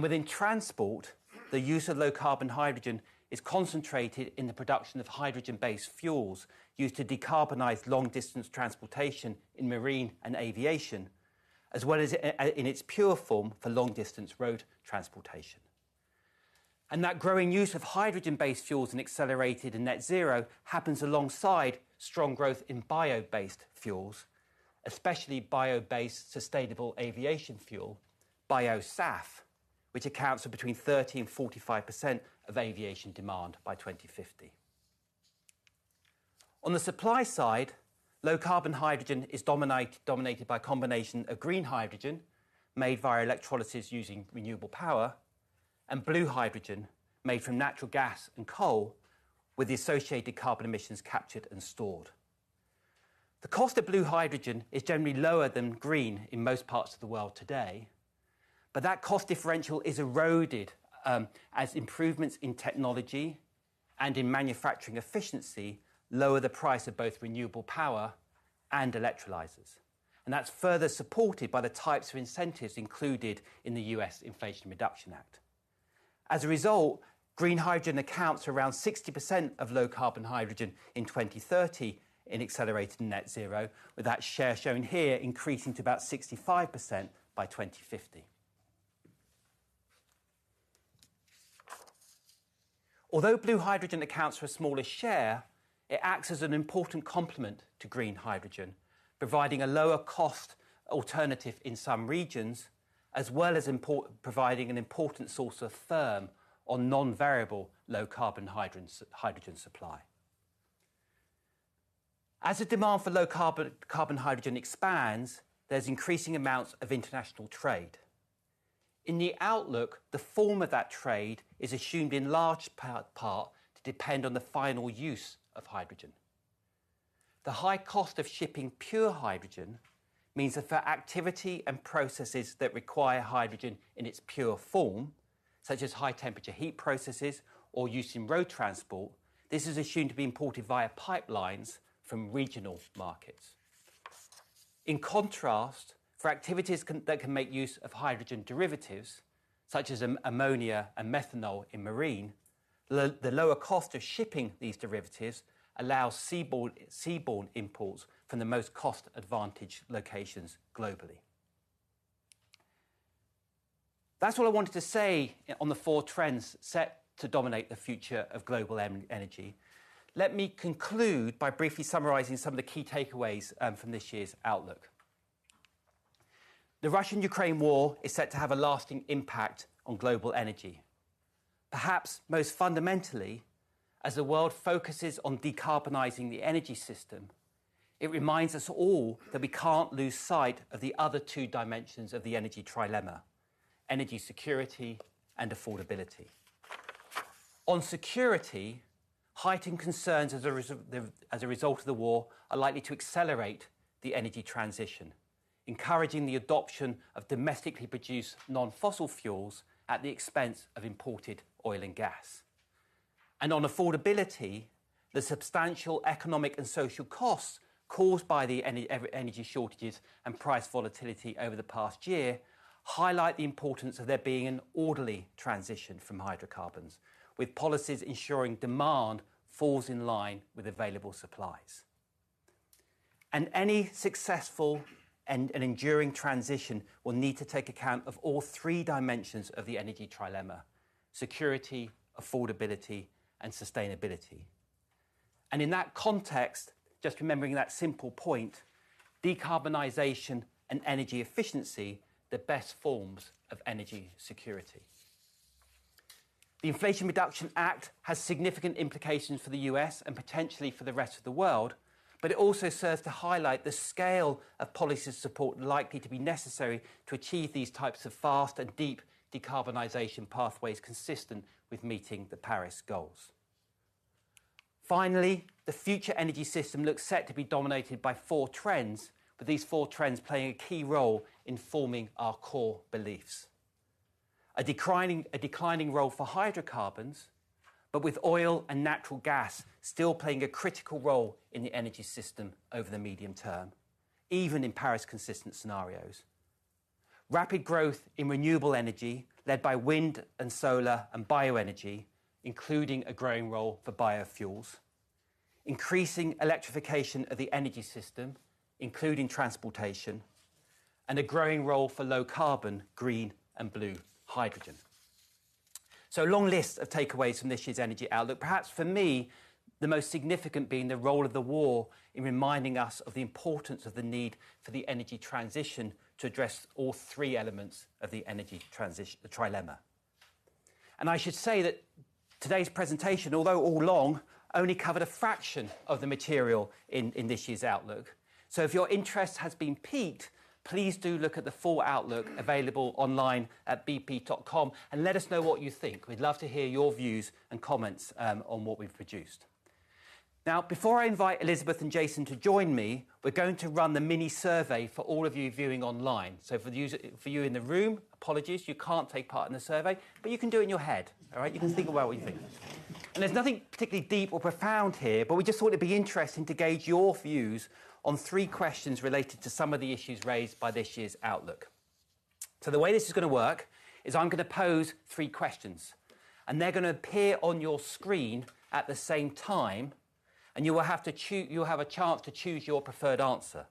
Speaker 1: Within transport, the use of low carbon hydrogen is concentrated in the production of hydrogen-based fuels used to decarbonize long distance transportation in marine and aviation, as well as in its pure form for long distance road transportation. That growing use of hydrogen-based fuels in Accelerated and Net Zero happens alongside strong growth in bio-based fuels, especially bio-based sustainable aviation fuel, BioSAF, which accounts for between 30% and 45% of aviation demand by 2050. On the supply side, low carbon hydrogen is dominated by a combination of Green hydrogen made via electrolysis using renewable power, and Blue hydrogen made from natural gas and coal, with the associated carbon emissions captured and stored. The cost of blue hydrogen is generally lower than green in most parts of the world today, but that cost differential is eroded, as improvements in technology and in manufacturing efficiency lower the price of both renewable power and electrolyzers. That's further supported by the types of incentives included in the U.S. Inflation Reduction Act. As a result, green hydrogen accounts for around 60% of low carbon hydrogen in 2030 in Accelerated Net Zero, with that share shown here increasing to about 65% by 2050. Although blue hydrogen accounts for a smaller share, it acts as an important complement to green hydrogen, providing a lower cost alternative in some regions, as well as providing an important source of firm on non-variable low carbon hydrogen supply. As the demand for low carbon hydrogen expands, there's increasing amounts of international trade. In the outlook, the form of that trade is assumed in large part to depend on the final use of hydrogen. The high cost of shipping pure hydrogen means that for activity and processes that require hydrogen in its pure form, such as high temperature heat processes or use in road transport, this is assumed to be imported via pipelines from regional markets. In contrast, for activities that can make use of hydrogen derivatives, such as ammonia and methanol in marine, the lower cost of shipping these derivatives allows seaborne imports from the most cost-advantaged locations globally. That's all I wanted to say on the four trends set to dominate the future of global energy. Let me conclude by briefly summarizing some of the key takeaways from this year's outlook. The Russia-Ukraine war is set to have a lasting impact on global energy. Perhaps most fundamentally, as the world focuses on decarbonizing the energy system, it reminds us all that we can't lose sight of the other two dimensions of the energy trilemma: energy security and affordability. On security, heightened concerns as a result of the war are likely to accelerate the energy transition, encouraging the adoption of domestically produced non-fossil fuels at the expense of imported oil and gas. On affordability, the substantial economic and social costs caused by the energy shortages and price volatility over the past year highlight the importance of there being an orderly transition from hydrocarbons, with policies ensuring demand falls in line with available supplies. Any successful and an enduring transition will need to take account of all three dimensions of the energy trilemma: security, affordability, and sustainability. In that context, just remembering that simple point, decarbonization and energy efficiency, the best forms of energy security. The Inflation Reduction Act has significant implications for the U.S. and potentially for the rest of the world, but it also serves to highlight the scale of policy support likely to be necessary to achieve these types of fast and deep decarbonization pathways consistent with meeting the Paris goals. Finally, the future energy system looks set to be dominated by four trends, with these four trends playing a key role in forming our core beliefs. A declining role for hydrocarbons, but with oil and natural gas still playing a critical role in the energy system over the medium term, even in Paris-consistent scenarios. Rapid growth in renewable energy led by wind and solar and bioenergy, including a growing role for biofuels. Increasing electrification of the energy system, including transportation. A growing role for low carbon, Green and Blue hydrogen. A long list of takeaways from this year's Energy Outlook. Perhaps for me, the most significant being the role of the war in reminding us of the importance of the need for the energy transition to address all three elements of the energy trilemma. I should say that today's presentation, although all long, only covered a fraction of the material in this year's outlook. If your interest has been piqued, please do look at the full outlook available online at bp.com, and let us know what you think. We'd love to hear your views and comments on what we've produced. Before I invite Elizabeth and Jason to join me, we're going to run the mini survey for all of you viewing online. For you in the room, apologies you can't take part in the survey, but you can do it in your head. All right? You can think about what you think. There's nothing particularly deep or profound here, but we just thought it'd be interesting to gauge your views on three questions related to some of the issues raised by this year's Outlook. The way this is going to work is I'm going to pose three questions, and they're going to appear on your screen at the same time, and you will have a chance to choose your preferred answer.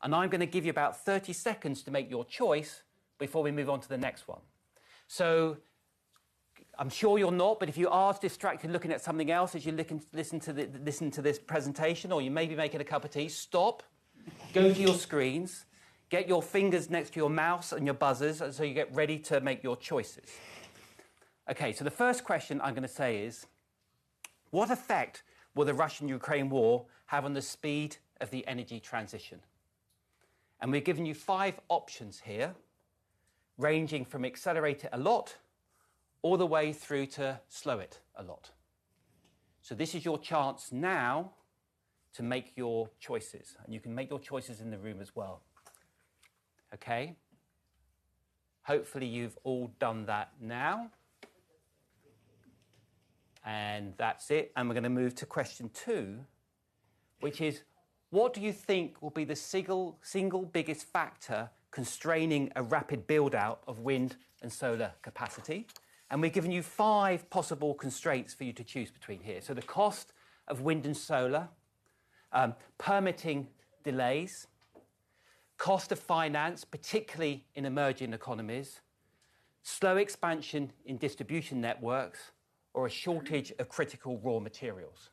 Speaker 1: I'm going to give you about 30 seconds to make your choice before we move on to the next one. I'm sure you're not, but if you are distracted looking at something else as you're listen to this presentation or you may be making a cup of tea, stop, go to your screens, get your fingers next to your mouse and your buzzers so you get ready to make your choices. Okay. The first question I'm going to say is: What effect will the Russia-Ukraine war have on the speed of the energy transition? We've given you five options here, ranging from accelerate it a lot, all the way through to slow it a lot. This is your chance now to make your choices. You can make your choices in the room as well. Okay. Hopefully, you've all done that now. That's it. We're going to move to question two, which is: What do you think will be the single biggest factor constraining a rapid build-out of wind and solar capacity? We've given you five possible constraints for you to choose between here. The cost of wind and solar, permitting delays, cost of finance, particularly in emerging economies, slow expansion in distribution networks, or a shortage of critical raw materials.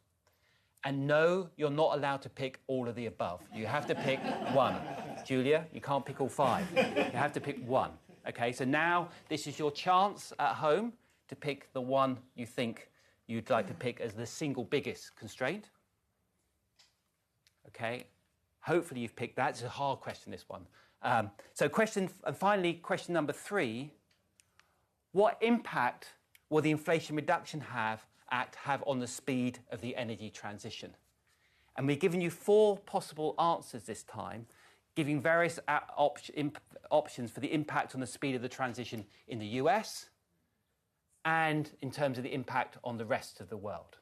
Speaker 1: No, you're not allowed to pick all of the above. You have to pick one. Julia, you can't pick all five. You have to pick one. Okay? Now this is your chance at home to pick the one you think you'd like to pick as the single biggest constraint. Okay. Hopefully, you've picked. That's a hard question, this one. Question... Finally, question number three: What impact will the Inflation Reduction Act have on the speed of the energy transition? We've given you four possible answers this time, giving various options for the impact on the speed of the transition in the U.S. and in terms of the impact on the rest of the world.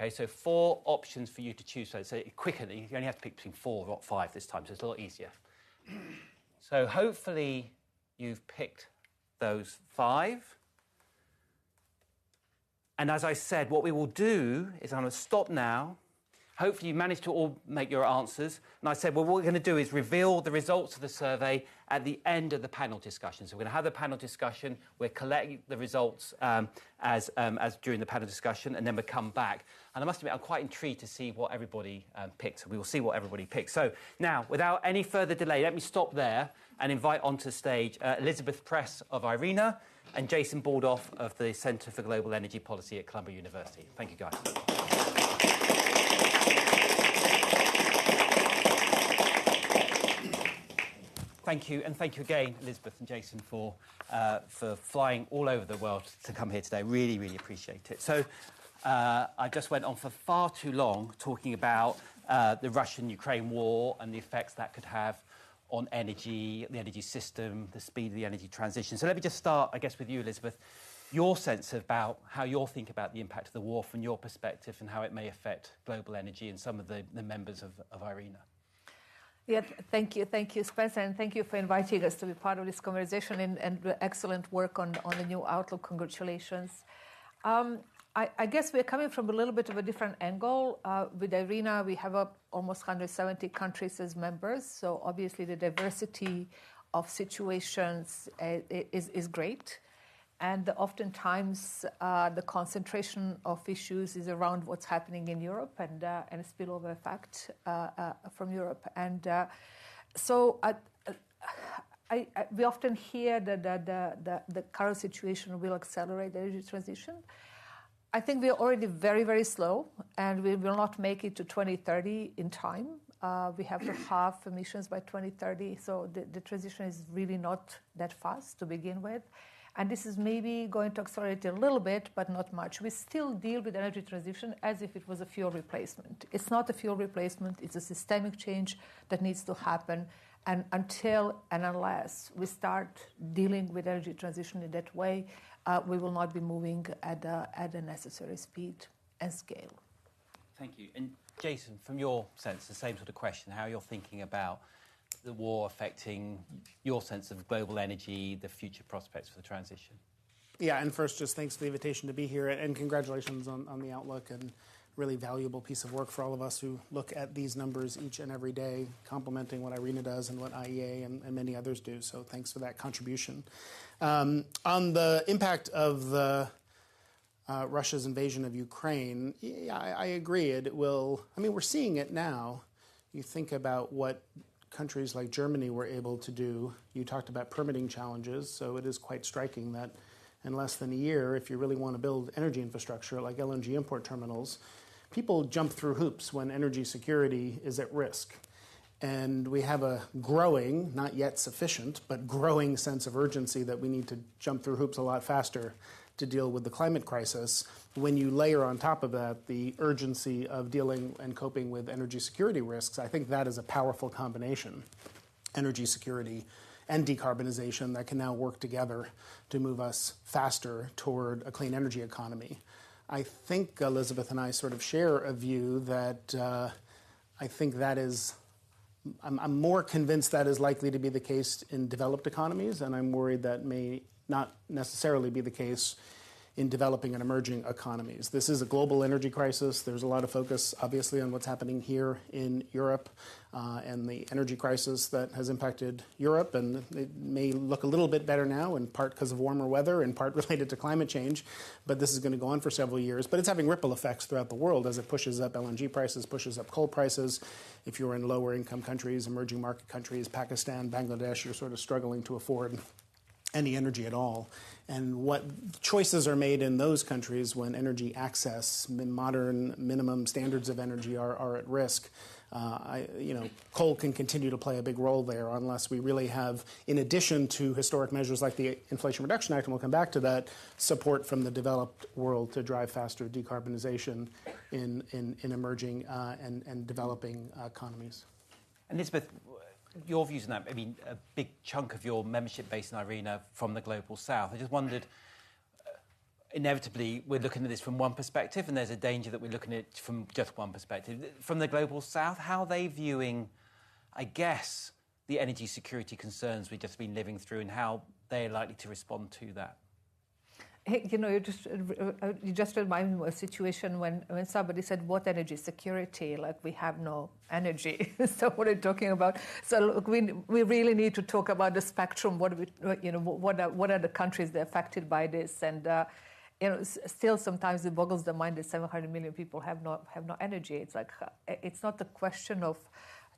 Speaker 1: Okay? Four options for you to choose. Say it quickly. You only have to pick between four, not five this time, it's a lot easier. Hopefully you've picked those five. As I said, what we will do is I'm going to stop now. Hopefully, you've managed to all make your answers. I said, what we're going to do is reveal the results of the survey at the end of the panel discussion. We're going to have the panel discussion. We're collecting the results during the panel discussion, then we'll come back. I must admit, I'm quite intrigued to see what everybody picked. We will see what everybody picked. Now without any further delay, let me stop there and invite onto stage, Elisabeth Press of IRENA and Jason Bordoff of the Center on Global Energy Policy at Columbia University. Thank you, guys. Thank you. Thank you again, Elisabeth and Jason, for flying all over the world to come here today. Really appreciate it. I just went on for far too long talking about the Russia-Ukraine war and the effects that could have on energy, the energy system, the speed of the energy transition. Let me just start, I guess, with you, Elisabeth. Your sense about how you all think about the impact of the war from your perspective and how it may affect global energy and some of the members of IRENA.
Speaker 2: Yeah. Thank you. Thank you, Spencer, and thank you for inviting us to be part of this conversation and the excellent work on the new outlook. Congratulations. I guess we're coming from a little bit of a different angle. With IRENA, we have up almost 170 countries as members, so obviously the diversity of situations is great. Oftentimes, the concentration of issues is around what's happening in Europe and a spillover effect from Europe. So we often hear that the current situation will accelerate the energy transition. I think we are already very, very slow, and we will not make it to 2030 in time. We have to halve emissions by 2030, so the transition is really not that fast to begin with. This is maybe going to accelerate a little bit, but not much. We still deal with energy transition as if it was a fuel replacement. It's not a fuel replacement. It's a systemic change that needs to happen. Until and unless we start dealing with energy transition in that way, we will not be moving at a, at a necessary speed and scale.
Speaker 1: Thank you. Jason, from your sense, the same sort of question. How are you thinking about the war affecting your sense of global energy, the future prospects for the transition?
Speaker 3: Yeah. First, just thanks for the invitation to be here, and congratulations on the outlook and really valuable piece of work for all of us who look at these numbers each and every day, complementing what IRENA does and what IEA and many others do. Thanks for that contribution. On the impact of Russia's invasion of Ukraine, yeah, I agree. I mean, we're seeing it now. You think about what countries like Germany were able to do. You talked about permitting challenges, so it is quite striking that in less than a year, if you really want to build energy infrastructure like LNG import terminals, people jump through hoops when energy security is at risk. We have a growing, not yet sufficient, but growing sense of urgency that we need to jump through hoops a lot faster to deal with the climate crisis. When you layer on top of that the urgency of dealing and coping with energy security risks, I think that is a powerful combination, energy security and decarbonization, that can now work together to move us faster toward a clean energy economy. I think Elisabeth and I sort of share a view that, I'm more convinced that is likely to be the case in developed economies, and I'm worried that may not necessarily be the case in developing and emerging economies. This is a global energy crisis. There's a lot of focus, obviously, on what's happening here in Europe, and the energy crisis that has impacted Europe, and it may look a little bit better now, in part because of warmer weather, in part related to climate change, but this is going to go on for several years. It's having ripple effects throughout the world as it pushes up LNG prices, pushes up coal prices. If you're in lower income countries, emerging market countries, Pakistan, Bangladesh, you're sort of struggling to afford any energy at all. What choices are made in those countries when energy access, modern minimum standards of energy are at risk, I... You know, coal can continue to play a big role there unless we really have, in addition to historic measures like the Inflation Reduction Act, and we'll come back to that, support from the developed world to drive faster decarbonization in emerging, and developing economies.
Speaker 1: Elisabeth, your views on that. I mean, a big chunk of your membership base in IRENA are from the Global South. I just wondered, inevitably, we're looking at this from one perspective, and there's a danger that we're looking at it from just one perspective. From the Global South, how are they viewing, I guess, the energy security concerns we've just been living through, and how they're likely to respond to that?
Speaker 2: Hey, you know, you're just, you just remind me of a situation when somebody said, "What energy security? Like, we have no energy." "What are you talking about?" Look, we really need to talk about the spectrum. You know, what are the countries that are affected by this? You know, still sometimes it boggles the mind that 700 million people have no energy. It's like, it's not a question of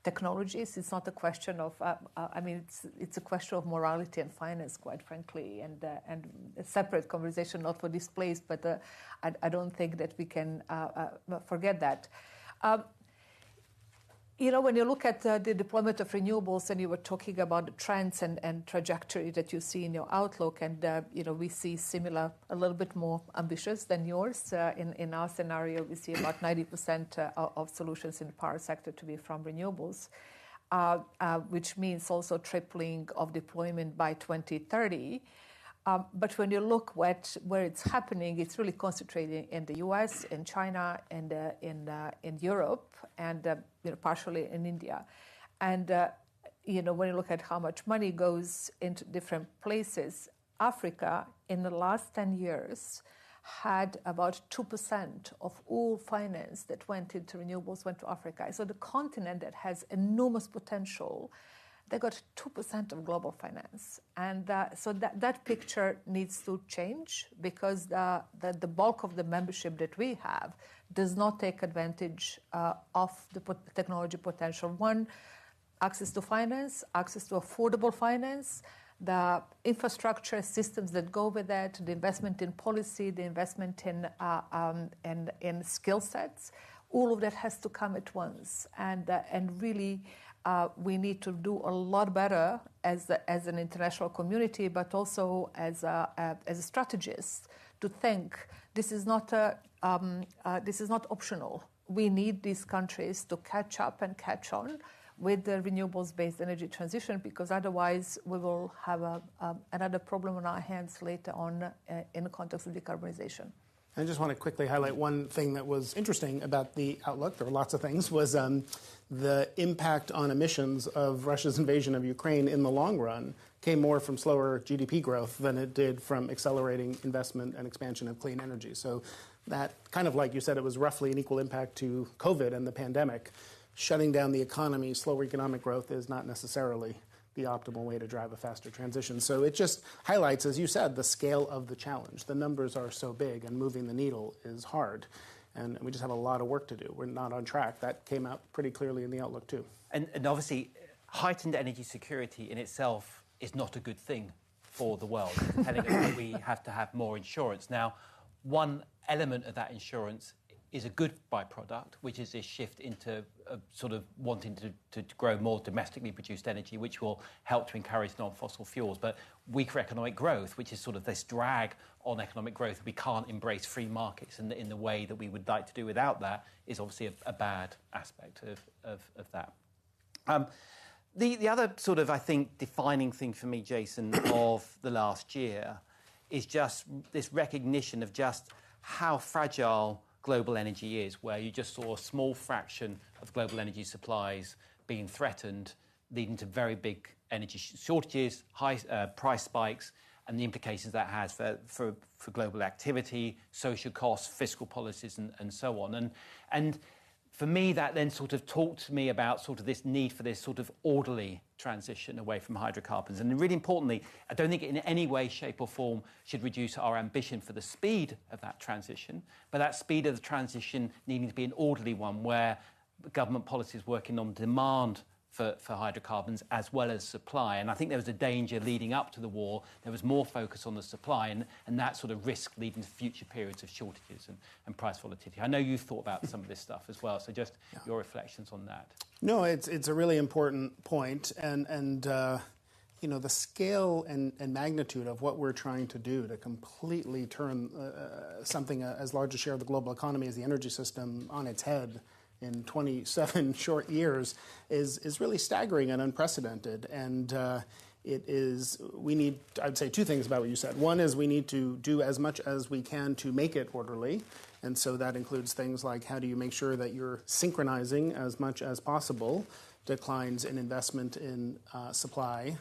Speaker 2: technologies. It's not a question of... I mean, it's a question of morality and finance, quite frankly, and a separate conversation, not for this place. I don't think that we can forget that. You know, when you look at the deployment of renewables and you were talking about the trends and trajectory that you see in your outlook, you know, we see similar, a little bit more ambitious than yours. In our scenario, we see about 90% of solutions in the power sector to be from renewables, which means also tripling of deployment by 2030. When you look what, where it's happening, it's really concentrated in the U.S., in China, and in Europe, you know, partially in India. You know, when you look at how much money goes into different places, Africa, in the last 10 years, had about 2% of all finance that went into renewables went to Africa. The continent that has enormous potential, they got 2% of global finance. That picture needs to change because the, the bulk of the membership that we have does not take advantage of the technology potential. One, access to finance, access to affordable finance, the infrastructure systems that go with that, the investment in policy, the investment in skill sets, all of that has to come at once. Really, we need to do a lot better as an international community, but also as a, as a strategist to think this is not, this is not optional. We need these countries to catch up and catch on with the renewables-based energy transition, because otherwise we will have another problem on our hands later on in the context of decarbonization.
Speaker 3: I just want to quickly highlight one thing that was interesting about the outlook, there were lots of things, was, the impact on emissions of Russia's invasion of Ukraine in the long run came more from slower GDP growth than it did from accelerating investment and expansion of clean energy. That kind of like you said, it was roughly an equal impact to COVID and the pandemic. Shutting down the economy, slower economic growth is not necessarily the optimal way to drive a faster transition. It just highlights, as you said, the scale of the challenge. The numbers are so big and moving the needle is hard, and we just have a lot of work to do. We're not on track. That came out pretty clearly in the outlook too.
Speaker 1: Obviously, heightened energy security in itself is not a good thing for the world. Telling us that we have to have more insurance. One element of that insurance is a good by-product, which is a shift into a sort of wanting to grow more domestically produced energy, which will help to encourage non-fossil fuels. Weaker economic growth, which is sort of this drag on economic growth, we can't embrace free markets in the way that we would like to do without that, is obviously a bad aspect of that. The other sort of, I think, defining thing for me, Jason. of the last year is just this recognition of just how fragile global energy is, where you just saw a small fraction of global energy supplies being threatened, leading to very big energy shortages, high price spikes, and the implications that has for global activity, social costs, fiscal policies, and so on. For me, that then sort of talked to me about sort of this need for this sort of orderly transition away from hydrocarbons. Really importantly, I don't think in any way, shape, or form should reduce our ambition for the speed of that transition, but that speed of the transition needing to be an orderly one, where government policy's working on demand for hydrocarbons as well as supply. I think there was a danger leading up to the war, there was more focus on the supply and that sort of risk leading to future periods of shortages and price volatility. I know you've thought about some of this stuff as well.
Speaker 3: Yeah
Speaker 1: your reflections on that.
Speaker 3: No, it's a really important point. You know, the scale and magnitude of what we're trying to do to completely turn something as large a share of the global economy as the energy system on its head in 27 short years is really staggering and unprecedented. I'd say two things about what you said. One is we need to do as much as we can to make it orderly. That includes things like how do you make sure that you're synchronizing as much as possible declines in investment in supply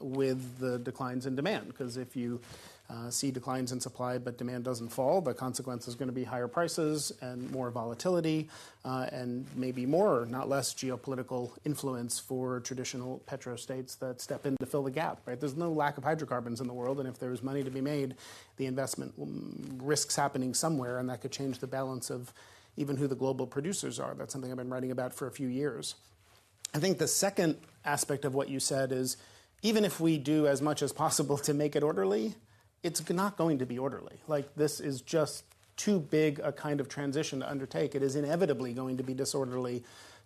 Speaker 3: with the declines in demand. Because if you see declines in supply but demand doesn't fall, the consequence is going to be higher prices and more volatility, and maybe more, not less geopolitical influence for traditional petrostates that step in to fill the gap, right? There's no lack of hydrocarbons in the world, and if there's money to be made, the investment risks happening somewhere, and that could change the balance of even who the global producers are. That's something I've been writing about for a few years. I think the second aspect of what you said is, even if we do as much as possible to make it orderly, it's not going to be orderly. Like, this is just too big a kind of transition to undertake. It is inevitably going to be disorderly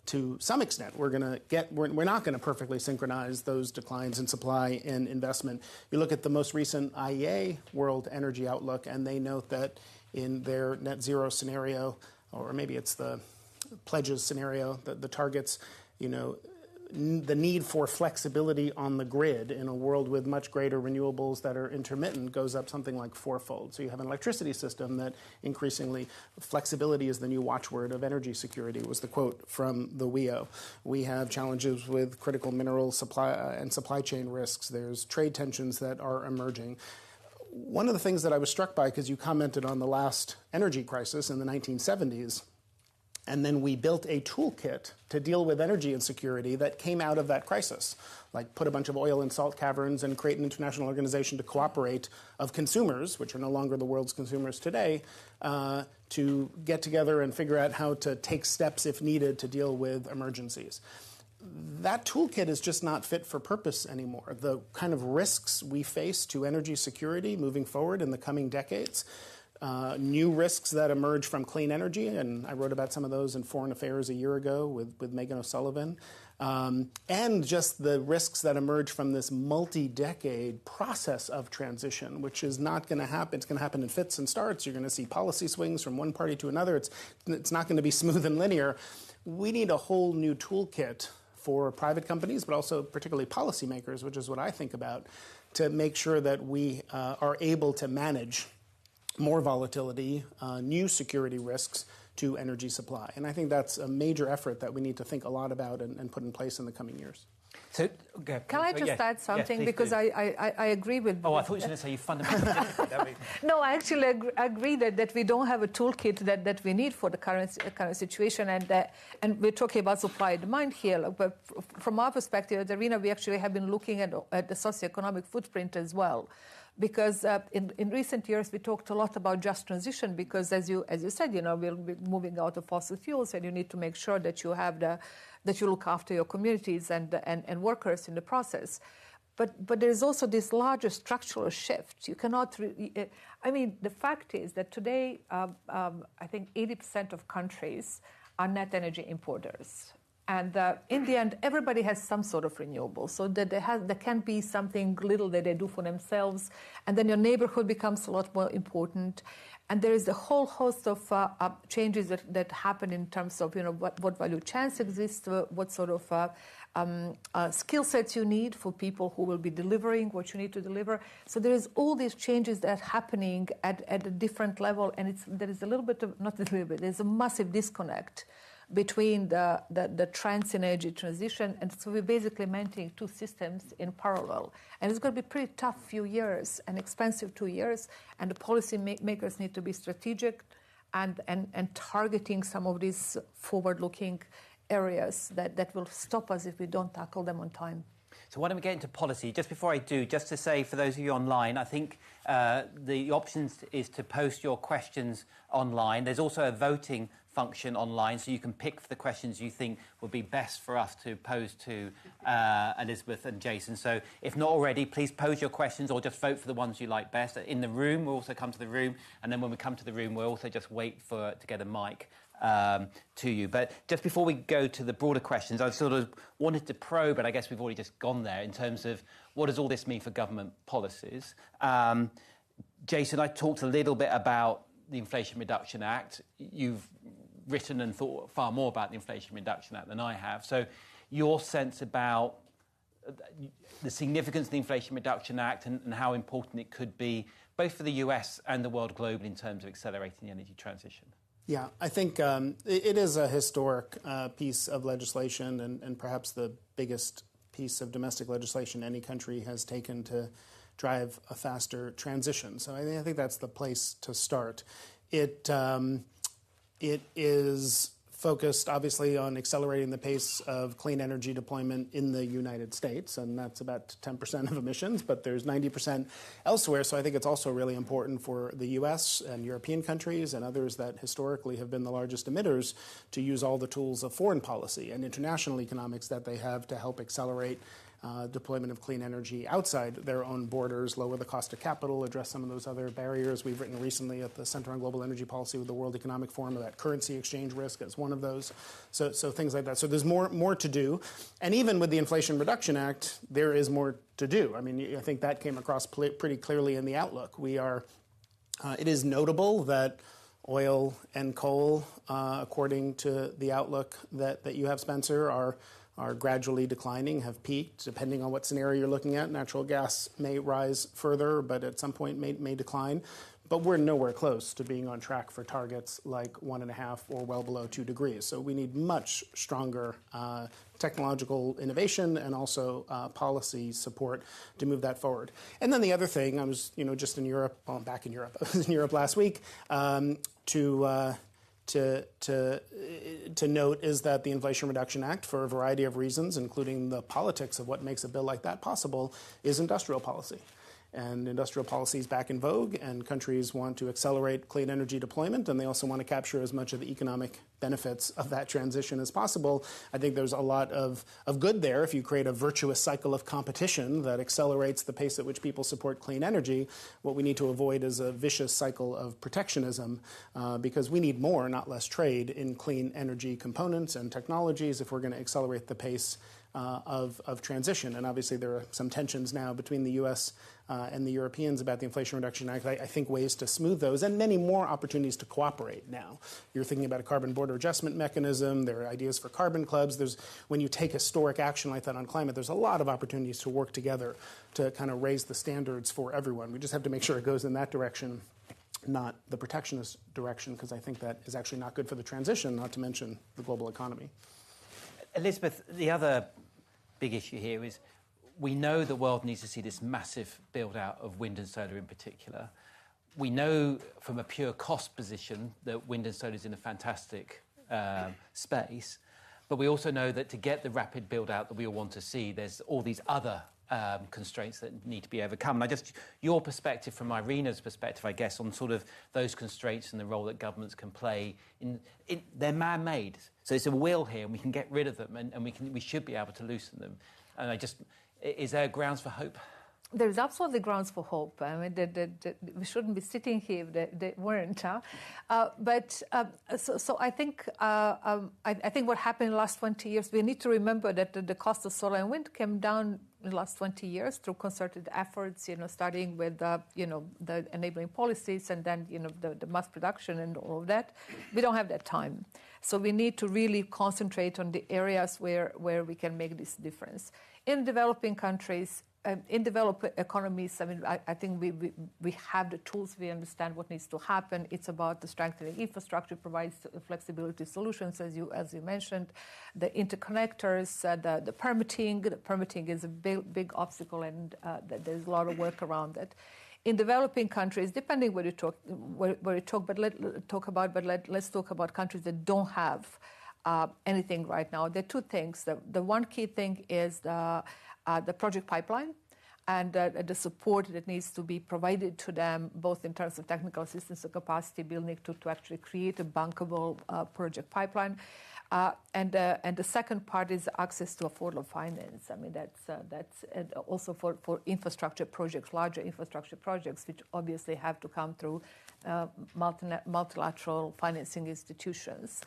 Speaker 3: to some extent. We're going to get... We're not going to perfectly synchronize those declines in supply and investment. If you look at the most recent IEA World Energy Outlook, and they note that in their Net Zero scenario, or maybe it's the pledges scenario, the targets, you know, the need for flexibility on the grid in a world with much greater renewables that are intermittent goes up something like fourfold. You have an electricity system that increasingly, "Flexibility is the new watchword of energy security," was the quote from the WEO. We have challenges with critical mineral supply and supply chain risks. There's trade tensions that are emerging. One of the things that I was struck by, because you commented on the last energy crisis in the 1970s, and then we built a toolkit to deal with energy insecurity that came out of that crisis. Like, put a bunch of oil in salt caverns and create an international organization to cooperate of consumers, which are no longer the world's consumers today, to get together and figure out how to take steps if needed to deal with emergencies. That toolkit is just not fit for purpose anymore. The kind of risks we face to energy security moving forward in the coming decades, new risks that emerge from clean energy, and I wrote about some of those in Foreign Affairs a year ago with Meghan O'Sullivan. Just the risks that emerge from this multi-decade process of transition, which is not going to happen in fits and starts. You're going to see policy swings from one party to another. It's not going to be smooth and linear. We need a whole new toolkit for private companies, but also particularly policymakers, which is what I think about, to make sure that we are able to manage more volatility, new security risks to energy supply. I think that's a major effort that we need to think a lot about and put in place in the coming years.
Speaker 1: Okay.
Speaker 2: Can I just add something?
Speaker 1: Yeah. Yeah, please do.
Speaker 2: Because I agree with you.
Speaker 1: Oh, I thought you were going to say you fundamentally disagree with everything.
Speaker 2: No, I actually agree that we don't have a toolkit that we need for the current situation, and we're talking about supply and demand here. From our perspective at IRENA, we actually have been looking at the socioeconomic footprint as well. In recent years, we talked a lot about just transition, because as you said, you know, we're moving out of fossil fuels, and you need to make sure that you have the that you look after your communities and workers in the process. There is also this larger structural shift. You cannot I mean, the fact is that today, I think 80% of countries are net energy importers. In the end, everybody has some sort of renewable, so that they have. there can be something little that they do for themselves, and then your neighborhood becomes a lot more important. There is a whole host of changes that happen in terms of, you know, what value chance exists, what sort of skill sets you need for people who will be delivering what you need to deliver. There is all these changes that are happening at a different level. There is a little bit of, not a little bit, there's a massive disconnect between the trends in energy transition. We're basically maintaining two systems in parallel. It's going to be pretty tough few years, and expensive two years, and the policy makers need to be strategic and targeting some of these forward-looking areas that will stop us if we don't tackle them on time.
Speaker 1: Why don't we get into policy? Just before I do, just to say, for those of you online, I think, the options is to post your questions online. There's also a voting function online, so you can pick the questions you think would be best for us to pose to Elizabeth and Jason. If not already, please pose your questions or just vote for the ones you like best. In the room, we'll also come to the room, and then when we come to the room, we'll also just wait for to get a mic to you. Just before we go to the broader questions, I sort of wanted to probe, and I guess we've already just gone there, in terms of what does all this mean for government policies. Jason, I talked a little bit about the Inflation Reduction Act. Written and thought far more about the Inflation Reduction Act than I have. your sense about, the significance of the Inflation Reduction Act and how important it could be both for the U.S. and the world globally in terms of accelerating the energy transition.
Speaker 3: Yeah. I think it is a historic piece of legislation and perhaps the biggest piece of domestic legislation any country has taken to drive a faster transition. I think that's the place to start. It is focused obviously on accelerating the pace of clean energy deployment in the United States, and that's about 10% of emissions, but there's 90% elsewhere. I think it's also really important for the U.S. and European countries and others that historically have been the largest emitters to use all the tools of foreign policy and international economics that they have to help accelerate deployment of clean energy outside their own borders, lower the cost of capital, address some of those other barriers. We've written recently at the Center on Global Energy Policy with the World Economic Forum that currency exchange risk is one of those, so things like that. There's more to do, and even with the Inflation Reduction Act, there is more to do. I mean, I think that came across pretty clearly in the Energy Outlook. We are. It is notable that oil and coal, according to the Energy Outlook that you have, Spencer, are gradually declining, have peaked, depending on what scenario you're looking at. Natural gas may rise further, but at some point may decline. We're nowhere close to being on track for targets like one and a half or well below two degrees. We need much stronger technological innovation and also policy support to move that forward. The other thing, I was, you know, just in Europe, well, I'm back in Europe in Europe last week, to note is that the Inflation Reduction Act, for a variety of reasons, including the politics of what makes a bill like that possible, is industrial policy. Industrial policy is back in vogue, and countries want to accelerate clean energy deployment, and they also want to capture as much of the economic benefits of that transition as possible. I think there's a lot of good there if you create a virtuous cycle of competition that accelerates the pace at which people support clean energy. What we need to avoid is a vicious cycle of protectionism, because we need more, not less trade in clean energy components and technologies if we're going to accelerate the pace of transition. Obviously there are some tensions now between the U.S. and the Europeans about the Inflation Reduction Act. I think ways to smooth those and many more opportunities to cooperate now. You're thinking about a Carbon Border Adjustment Mechanism. There are ideas for Climate Club. When you take historic action like that on climate, there's a lot of opportunities to work together to kind of raise the standards for everyone. We just have to make sure it goes in that direction, not the protectionist direction, because I think that is actually not good for the transition, not to mention the global economy.
Speaker 1: Elisabeth, the other big issue here is we know the world needs to see this massive build-out of wind and solar in particular. We know from a pure cost position that wind and solar's in a fantastic space. We also know that to get the rapid build-out that we all want to see, there's all these other constraints that need to be overcome. Now just your perspective from IRENA's perspective, I guess, on sort of those constraints and the role that governments can play in. They're man-made, so it's a will here and we can get rid of them and we can, we should be able to loosen them. I just, is there grounds for hope?
Speaker 2: There's absolutely grounds for hope. I mean, the. We shouldn't be sitting here if there weren't, huh? But I think what happened in the last 20 years, we need to remember that the cost of solar and wind came down in the last 20 years through concerted efforts, you know, starting with, you know, the enabling policies and then, you know, the mass production and all of that. We don't have that time. We need to really concentrate on the areas where we can make this difference. In developing countries, in developed economies, I mean, I think we have the tools. We understand what needs to happen. It's about the strengthening infrastructure provides the flexibility solutions, as you mentioned. The interconnectors, the permitting. The permitting is a big obstacle and there's a lot of work around it. In developing countries, depending where you talk, but let's talk about countries that don't have anything right now. There are two things. The one key thing is the project pipeline and the support that needs to be provided to them both in terms of technical assistance and capacity building to actually create a bankable project pipeline. The second part is access to affordable finance. I mean, that's. Also for infrastructure projects, larger infrastructure projects, which obviously have to come through multilateral financing institutions.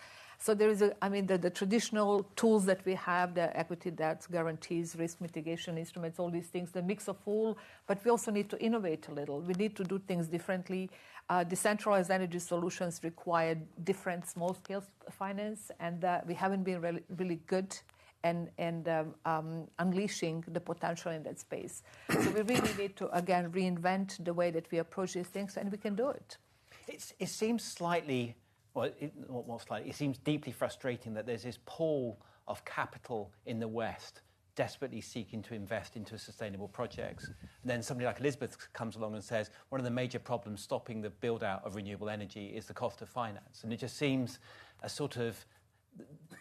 Speaker 2: There is. I mean, the traditional tools that we have, the equity debts, guarantees, risk mitigation instruments, all these things, the mix of all, but we also need to innovate a little. We need to do things differently. Decentralized energy solutions require different small scale finance, and we haven't been really good in unleashing the potential in that space. We really need to, again, reinvent the way that we approach these things, and we can do it.
Speaker 1: It seems slightly, or not slightly, it seems deeply frustrating that there's this pool of capital in the West desperately seeking to invest into sustainable projects. Somebody like Elisabeth comes along and says, "One of the major problems stopping the build-out of renewable energy is the cost of finance." It just seems a sort of.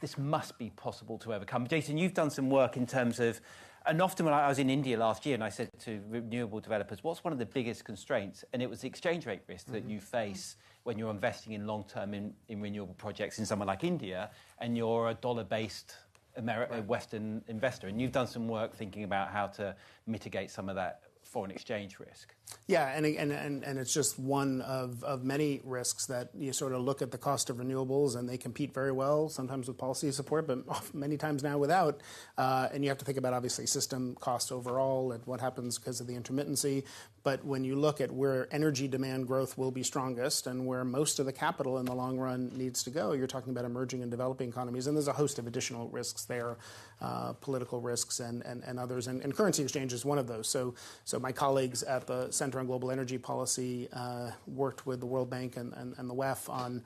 Speaker 1: This must be possible to overcome. Jason, you've done some work in terms of. Often when I was in India last year and I said to renewable developers, "What's one of the biggest constraints?" It was the exchange rate risk that you face when you're investing in long-term in renewable projects in somewhere like India, and you're a dollar-based.
Speaker 3: Right...
Speaker 1: Western investor. You've done some work thinking about how to mitigate some of that foreign exchange risk.
Speaker 3: Yeah. It's just one of many risks that you sort of look at the cost of renewables, and they compete very well sometimes with policy support, but many times now without. You have to think about obviously system cost overall and what happens because of the intermittency. When you look at where energy demand growth will be strongest and where most of the capital in the long run needs to go, you're talking about emerging and developing economies, and there's a host of additional risks there, political risks and others. Currency exchange is one of those. My colleagues at the Center on Global Energy Policy worked with the World Bank and the WEF on...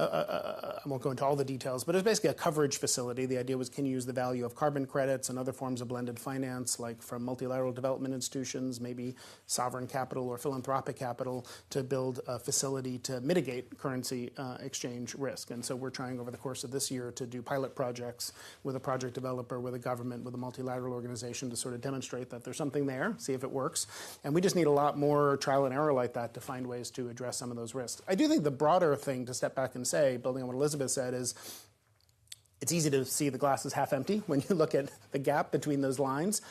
Speaker 3: I won't go into all the details, but it's basically a coverage facility. The idea was can you use the value of carbon credits and other forms of blended finance, like from multilateral development institutions, maybe sovereign capital or philanthropic capital, to build a facility to mitigate currency, exchange risk. We're trying over the course of this year to do pilot projects with a project developer, with a government, with a multilateral organization to sort of demonstrate that there's something there, see if it works. We just need a lot more trial and error like that to find ways to address some of those risks. I do think the broader thing to step back and say, building on what Elisabeth said, is it's easy to see the glass is half empty when you look at the gap between those lines.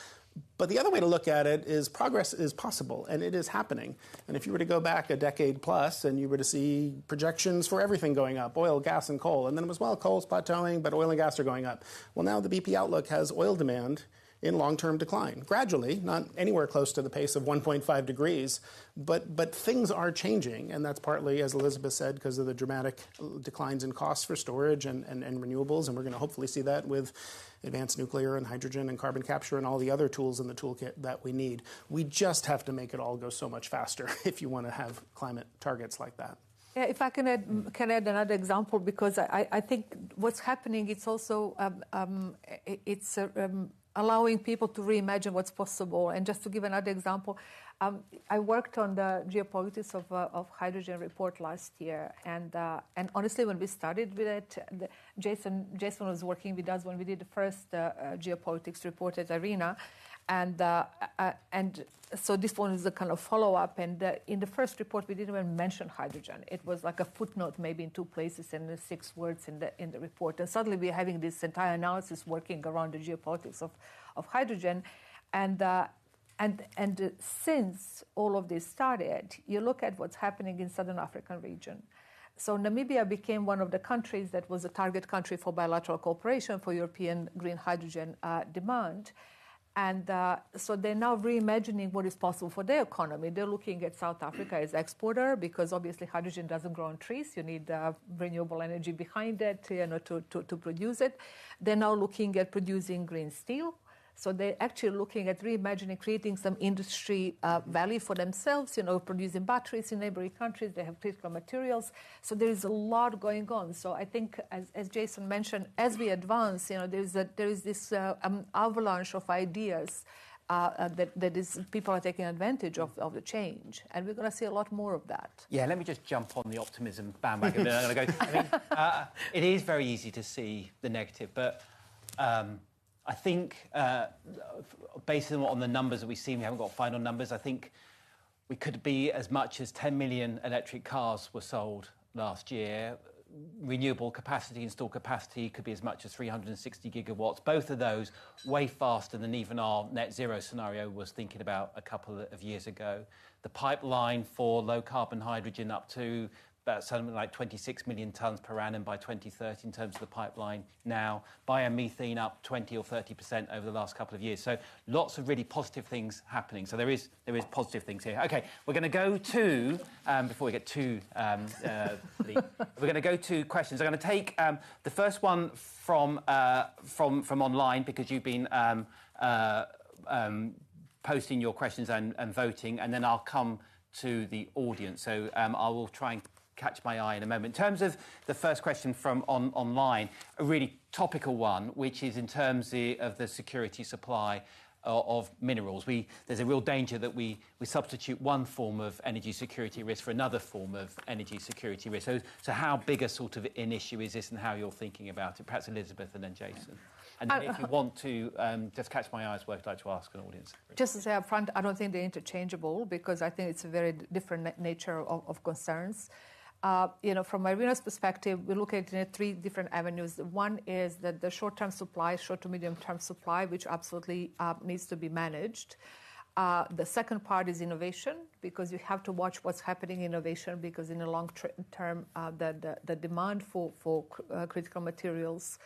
Speaker 3: The other way to look at it is progress is possible, and it is happening. If you were to go back a decade plus, and you were to see projections for everything going up, oil, gas, and coal. Then it was, well, coal's plateauing, but oil and gas are going up. Now the BP outlook has oil demand in long-term decline. Gradually, not anywhere close to the pace of 1.5 degrees, but things are changing. That's partly, as Elizabeth said, because of the dramatic declines in costs for storage and renewables. We're going to hopefully see that with advanced nuclear, and hydrogen, and carbon capture, and all the other tools in the toolkit that we need. We just have to make it all go so much faster if you want to have climate targets like that.
Speaker 2: Yeah, if I can add another example because I think what's happening, it's also allowing people to reimagine what's possible. Just to give another example, I worked on the geopolitics of hydrogen report last year. Honestly, when we started with it, Jason was working with us when we did the first geopolitics report at IRENA. This one is a kind of follow-up. In the first report, we didn't even mention hydrogen. It was like a footnote maybe in two places and six words in the report. Suddenly, we're having this entire analysis working around the geopolitics of hydrogen. Since all of this started, you look at what's happening in Southern African region. Namibia became one of the countries that was a target country for bilateral cooperation for European green hydrogen demand. They're now reimagining what is possible for their economy. They're looking at South Africa as exporter, because obviously hydrogen doesn't grow on trees. You need renewable energy behind it, you know, to produce it. They're now looking at producing green steel. They're actually looking at reimagining, creating some industry value for themselves. You know, producing batteries in neighboring countries. They have critical materials. There is a lot going on. I think as Jason mentioned, as we advance, you know, there is this avalanche of ideas that people are taking advantage of the change, and we're going to see a lot more of that.
Speaker 1: Yeah. Let me just jump on the optimism bandwagon. I got to go. I mean, it is very easy to see the negative, but, I think, based on the numbers that we've seen, we haven't got final numbers, I think we could be as much as 10 million electric cars were sold last year. Renewable capacity, installed capacity could be as much as 360 GW. Both of those way faster than even our Net Zero scenario was thinking about a couple of years ago. The pipeline for low carbon hydrogen up to about something like 26 million tons per annum by 2030 in terms of the pipeline now. Biomethane up 20% or 30% over the last couple of years. Lots of really positive things happening. There is positive things here. Okay. We're going to go to questions. We're going to take the first one from online because you've been posting your questions and voting, and then I'll come to the audience. I will try and catch my eye in a moment. In terms of the first question from online, a really topical one, which is in terms of the security supply of minerals. There's a real danger that we substitute one form of energy security risk for another form of energy security risk. How big a sort of an issue is this and how you're thinking about it? Perhaps Elisabeth and then Jason.
Speaker 2: Uh, uh-
Speaker 1: If you want to, just catch my eye as well if you'd like to ask an audience question.
Speaker 2: Just to say up front, I don't think they're interchangeable because I think it's a very different nature of concerns. You know, from IRENA's perspective, we're looking at, you know, three different avenues. One is that the short-term supply, short to medium-term supply, which absolutely needs to be managed. The second part is innovation, because you have to watch what's happening in innovation, because in the long term, the demand for critical materials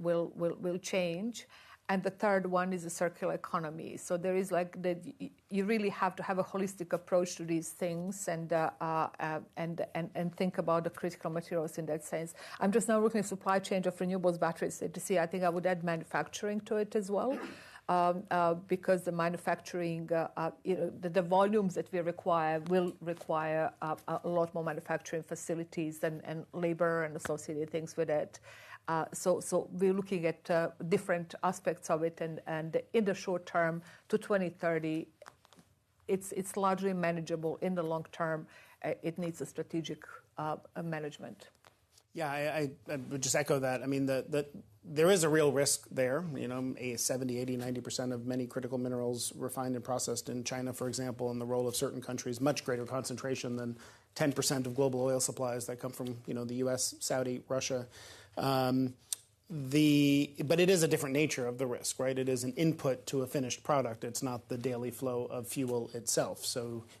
Speaker 2: will change. The third one is the circular economy. You really have to have a holistic approach to these things and think about the critical materials in that sense. I'm just now looking at supply chain of renewables batteries. To see, I think I would add manufacturing to it as well, because the manufacturing, you know, the volumes that we require will require a lot more manufacturing facilities and labor and associated things with it. We're looking at different aspects of it and in the short term to 2030, it's largely manageable. In the long term, it needs a strategic management.
Speaker 3: Yeah, I would just echo that. I mean, there is a real risk there. You know, a 70%, 80%, 90% of many critical minerals refined and processed in China, for example, and the role of certain countries, much greater concentration than 10% of global oil supplies that come from, you know, the U.S., Saudi, Russia. It is a different nature of the risk, right? It is an input to a finished product. It's not the daily flow of fuel itself.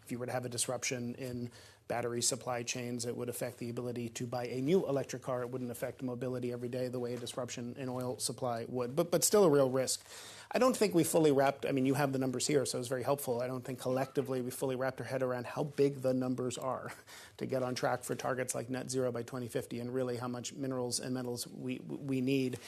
Speaker 3: If you were to have a disruption in battery supply chains, it would affect the ability to buy a new electric car. It wouldn't affect mobility every day the way a disruption in oil supply would. Still a real risk. I don't think we fully wrapped. I mean, you have the numbers here, so it's very helpful. I don't think collectively we fully wrapped our head around how big the numbers are to get on track for targets like Net Zero by 2050, and really how much minerals and metals we need.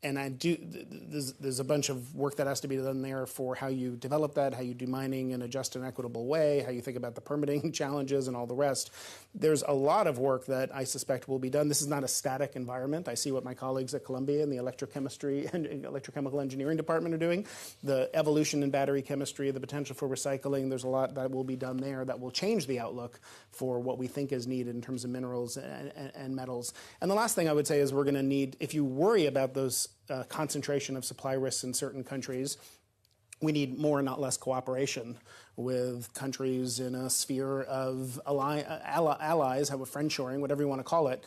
Speaker 3: There's a bunch of work that has to be done there for how you develop that, how you do mining in a just and equitable way, how you think about the permitting challenges and all the rest. There's a lot of work that I suspect will be done. This is not a static environment. I see what my colleagues at Columbia in the electrochemistry and in electrochemical engineering department are doing. The evolution in battery chemistry, the potential for recycling, there's a lot that will be done there that will change the outlook for what we think is needed in terms of minerals and metals. The last thing I would say is we're going to need, if you worry about those, concentration of supply risks in certain countries, we need more, not less cooperation with countries in a sphere of allies, however, friend shoring, whatever you want to call it.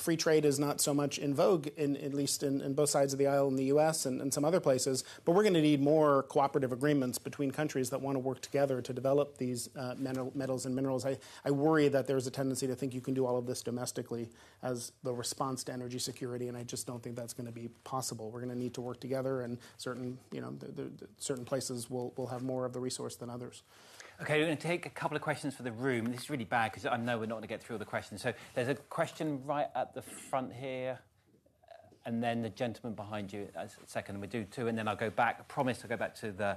Speaker 3: Free trade is not so much in vogue in at least in both sides of the aisle in the US and some other places. We're going to need more cooperative agreements between countries that want to work together to develop these, metals and minerals. I worry that there's a tendency to think you can do all of this domestically as the response to energy security, and I just don't think that's going to be possible. We're going to need to work together, and certain, you know, the certain places will have more of the resource than others.
Speaker 1: Okay, we're going to take a couple of questions for the room. This is really bad because I know we're not going to get through all the questions. There's a question right at the front here, and then the gentleman behind you. Second, we do two, and then I'll go back. I promise to go back to the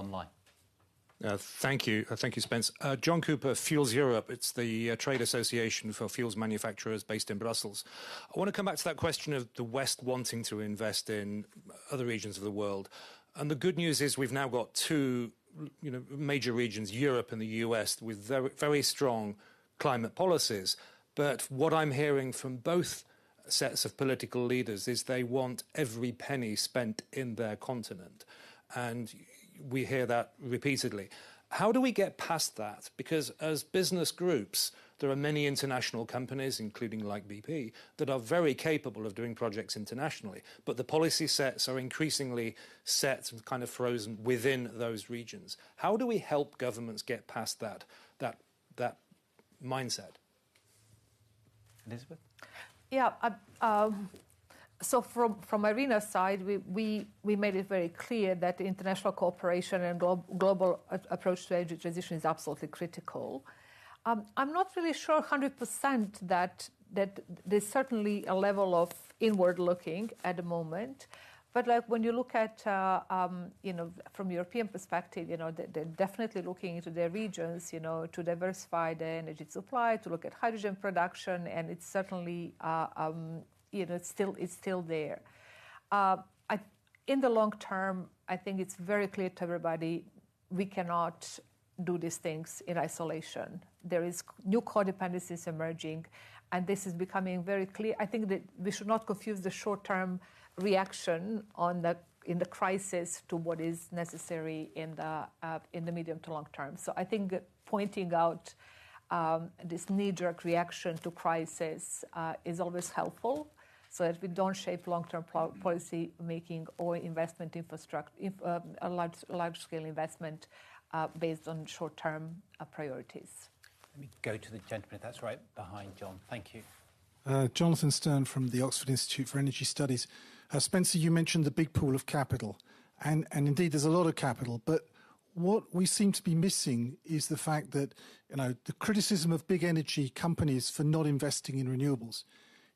Speaker 1: online.
Speaker 4: Thank you. Thank you, Spence. John Cooper, FuelsEurope. It's the trade association for fuels manufacturers based in Brussels. I want to come back to that question of the West wanting to invest in other regions of the world. The good news is we've now got two, you know, major regions, Europe and the U.S., with very, very strong climate policies. What I'm hearing from both sets of political leaders is they want every penny spent in their continent, and we hear that repeatedly. How do we get past that? As business groups, there are many international companies, including like BP, that are very capable of doing projects internationally, but the policy sets are increasingly set and kind of frozen within those regions. How do we help governments get past that mindset?
Speaker 1: Elisabeth?
Speaker 2: Yeah. From IRENA's side, we made it very clear that international cooperation and global approach to energy transition is absolutely critical. I'm not really sure 100% that there's certainly a level of inward-looking at the moment. Like, when you look at, you know, from European perspective, you know, they're definitely looking into their regions, you know, to diversify their energy supply, to look at hydrogen production, and it's certainly, you know, it's still there. In the long term, I think it's very clear to everybody we cannot do these things in isolation. There is new codependencies emerging, and this is becoming very clear. I think that we should not confuse the short-term reaction in the crisis to what is necessary in the medium to long term. I think pointing out this knee-jerk reaction to crisis is always helpful so that we don't shape long-term policy making or investment infrastructure, if a large-scale investment, based on short-term priorities.
Speaker 1: Let me go to the gentleman that's right behind John. Thank you.
Speaker 5: Jonathan Stern from the Oxford Institute for Energy Studies. Spencer, you mentioned the big pool of capital, and indeed there's a lot of capital. What we seem to be missing is the fact that, you know, the criticism of big energy companies for not investing in renewables.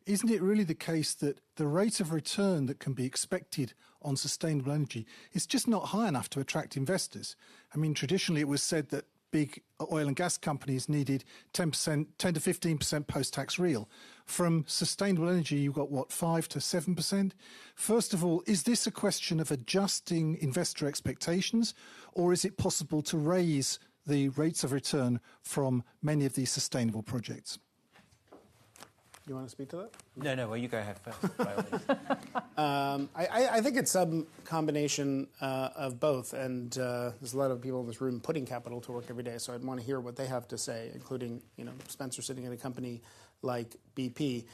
Speaker 5: Isn't it really the case that the rate of return that can be expected on sustainable energy is just not high enough to attract investors? I mean, traditionally, it was said that big oil and gas companies needed 10%, 10%-15% post-tax real. From sustainable energy, you've got, what, 5%-7%? First of all, is this a question of adjusting investor expectations, or is it possible to raise the rates of return from many of these sustainable projects?
Speaker 3: You want to speak to that?
Speaker 1: No, no. Well, you go ahead first.
Speaker 3: I think it's some combination of both. There's a lot of people in this room putting capital to work every day, so I'd want to hear what they have to say, including, you know, Spencer sitting at a company like BP.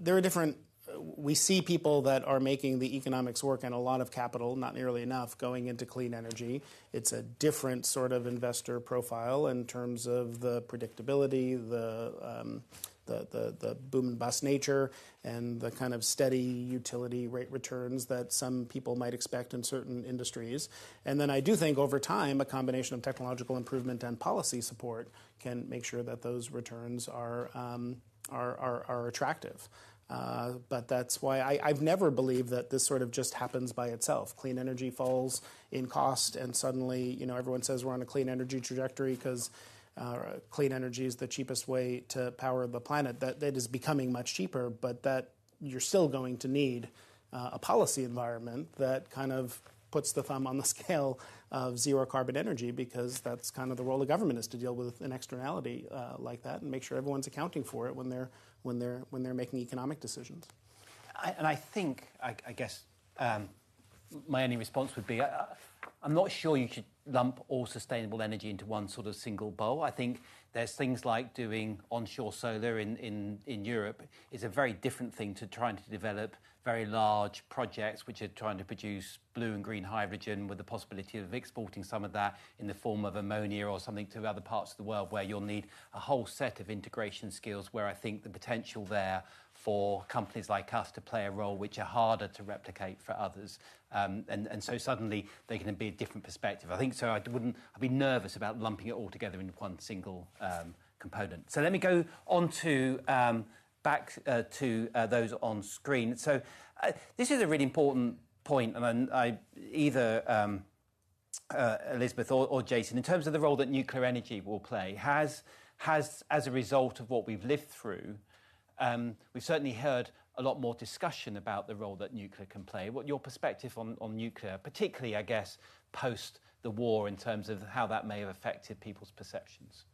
Speaker 3: There are different... We see people that are making the economics work and a lot of capital, not nearly enough, going into clean energy. It's a different sort of investor profile in terms of the predictability, the boom and bust nature, and the kind of steady utility rate returns that some people might expect in certain industries. Then I do think over time, a combination of technological improvement and policy support can make sure that those returns are attractive. That's why I've never believed that this sort of just happens by itself. Clean energy falls in cost, and suddenly, you know, everyone says we're on a clean energy trajectory because clean energy is the cheapest way to power the planet. That is becoming much cheaper, but you're still going to need a policy environment that kind of puts the thumb on the scale of zero carbon energy because that's kind of the role of government is to deal with an externality like that and make sure everyone's accounting for it when they're making economic decisions.
Speaker 1: I think, I guess, My only response would be, I'm not sure you could lump all sustainable energy into one sort of single bowl. I think there's things like doing onshore solar in Europe is a very different thing to trying to develop very large projects which are trying to produce blue and green hydrogen with the possibility of exporting some of that in the form of ammonia or something to other parts of the world where you'll need a whole set of integration skills, where I think the potential there for companies like us to play a role which are harder to replicate for others. Suddenly they're going to be a different perspective. I think, so I wouldn't be nervous about lumping it all together into one single component. Let me go on to back to those on screen. This is a really important point, and then Either Elizabeth or Jason, in terms of the role that nuclear energy will play, has as a result of what we've lived through, we've certainly heard a lot more discussion about the role that nuclear can play. What your perspective on nuclear, particularly, I guess, post the war in terms of how that may have affected people's perceptions?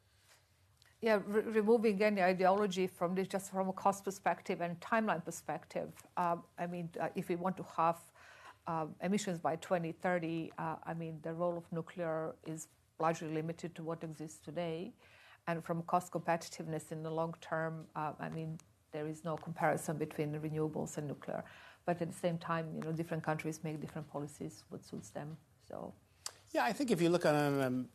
Speaker 2: Yeah. Re-removing any ideology from this, just from a cost perspective and timeline perspective, I mean, if we want to halve emissions by 2030, I mean, the role of nuclear is largely limited to what exists today. From cost competitiveness in the long term, I mean, there is no comparison between the renewables and nuclear. At the same time, you know, different countries make different policies what suits them....
Speaker 3: I think if you look on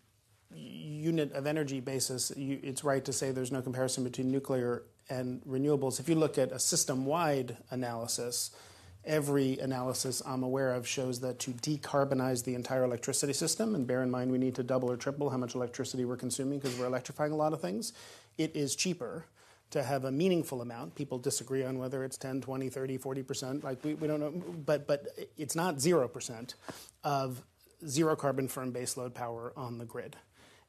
Speaker 3: unit of energy basis, it's right to say there's no comparison between nuclear and renewables. If you looked at a system-wide analysis, every analysis I'm aware of shows that to decarbonize the entire electricity system, bear in mind we need to double or triple how much electricity we're consuming because we're electrifying a lot of things, it is cheaper to have a meaningful amount. People disagree on whether it's 10%, 20%, 30%, 40%. Like, we don't know. It's not 0% of 0 carbon firm baseload power on the grid.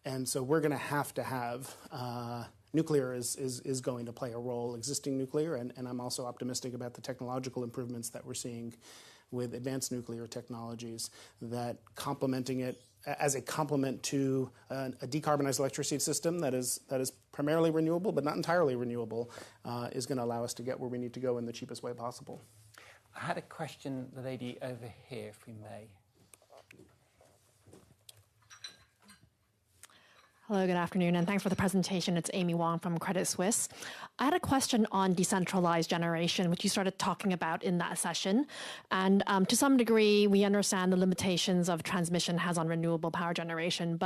Speaker 3: We're going to have to have. Nuclear is going to play a role, existing nuclear, and I'm also optimistic about the technological improvements that we're seeing with advanced nuclear technologies that complementing it as a complement to a decarbonized electricity system that is primarily renewable, but not entirely renewable, is going to allow us to get where we need to go in the cheapest way possible.
Speaker 1: I had a question, the lady over here, if we may.
Speaker 6: Hello, good afternoon, and thanks for the presentation. It's Amy Wong from Credit Suisse. I had a question on decentralized generation, which you started talking about in that session. To some degree, we understand the limitations of transmission has on renewable power generation.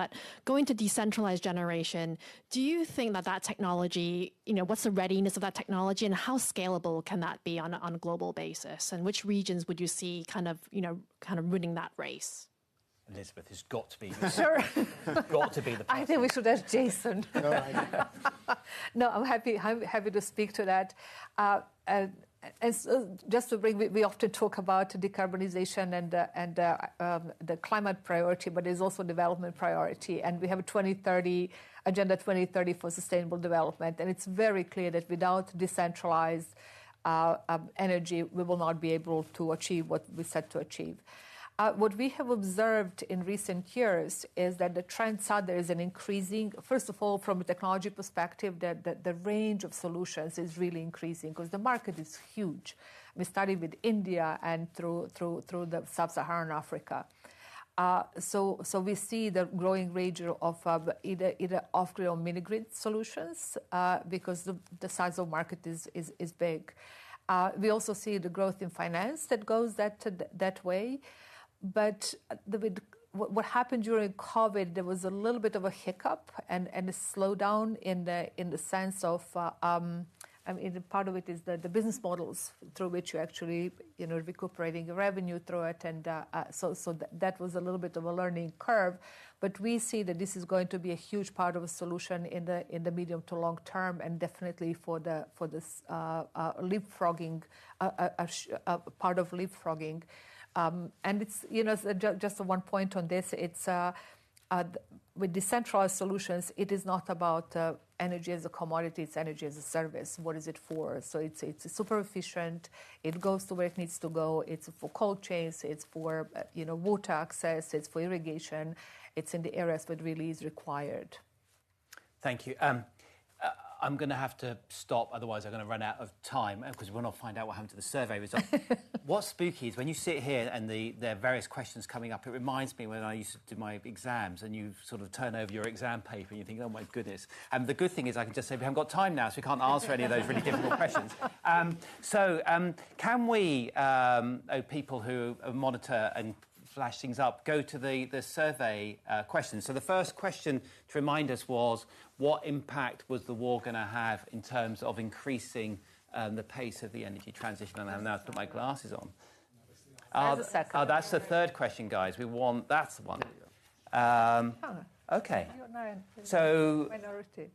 Speaker 6: Going to decentralized generation, do you think that that technology, you know, what's the readiness of that technology, and how scalable can that be on a, on a global basis? Which regions would you see kind of winning that race?
Speaker 1: Elizabeth, it's got to be you.
Speaker 2: Sure.
Speaker 1: It's got to be the person.
Speaker 2: I think we should ask Jason.
Speaker 3: All right.
Speaker 2: No, I'm happy to speak to that. Just to bring. We often talk about decarbonization and the climate priority, but there's also development priority. We have 2030, Agenda 2030 for Sustainable Development, and it's very clear that without decentralized energy, we will not be able to achieve what we set to achieve. What we have observed in recent years is that the trends are there is an increasing, first of all, from a technology perspective, the range of solutions is really increasing because the market is huge. We started with India and through the Sub-Saharan Africa. So we see the growing range of either off-grid or mini grid solutions, because the size of market is big. We also see the growth in finance that goes that way. What happened during COVID, there was a little bit of a hiccup and a slowdown in the sense of, I mean, part of it is the business models through which you actually, you know, recuperating your revenue through it and so that was a little bit of a learning curve. We see that this is going to be a huge part of a solution in the medium to long term, and definitely for this, leapfrogging, part of leapfrogging. It's, you know, so just one point on this, it's with decentralized solutions, it is not about energy as a commodity, it's energy as a service. What is it for? It's, it's super efficient. It goes to where it needs to go. It's for cold chains, it's for, you know, water access, it's for irrigation. It's in the areas where it really is required.
Speaker 1: Thank you. I'm going to have to stop, otherwise I'm going to run out of time, because we want to find out what happened to the survey results. What's spooky is when you sit here and there are various questions coming up, it reminds me when I used to do my exams and you sort of turn over your exam paper and you think, "Oh my goodness." The good thing is I can just say we haven't got time now, so we can't answer any of those really difficult questions. So, can we, oh, people who monitor and flash things up go to the survey questions? The first question to remind us was, what impact was the war going to have in terms of increasing the pace of the energy transition? I've now put my glasses on.
Speaker 2: There's a second one.
Speaker 1: Oh, that's the third question, guys. That's the one. Okay.
Speaker 2: Oh, you're now in the minority.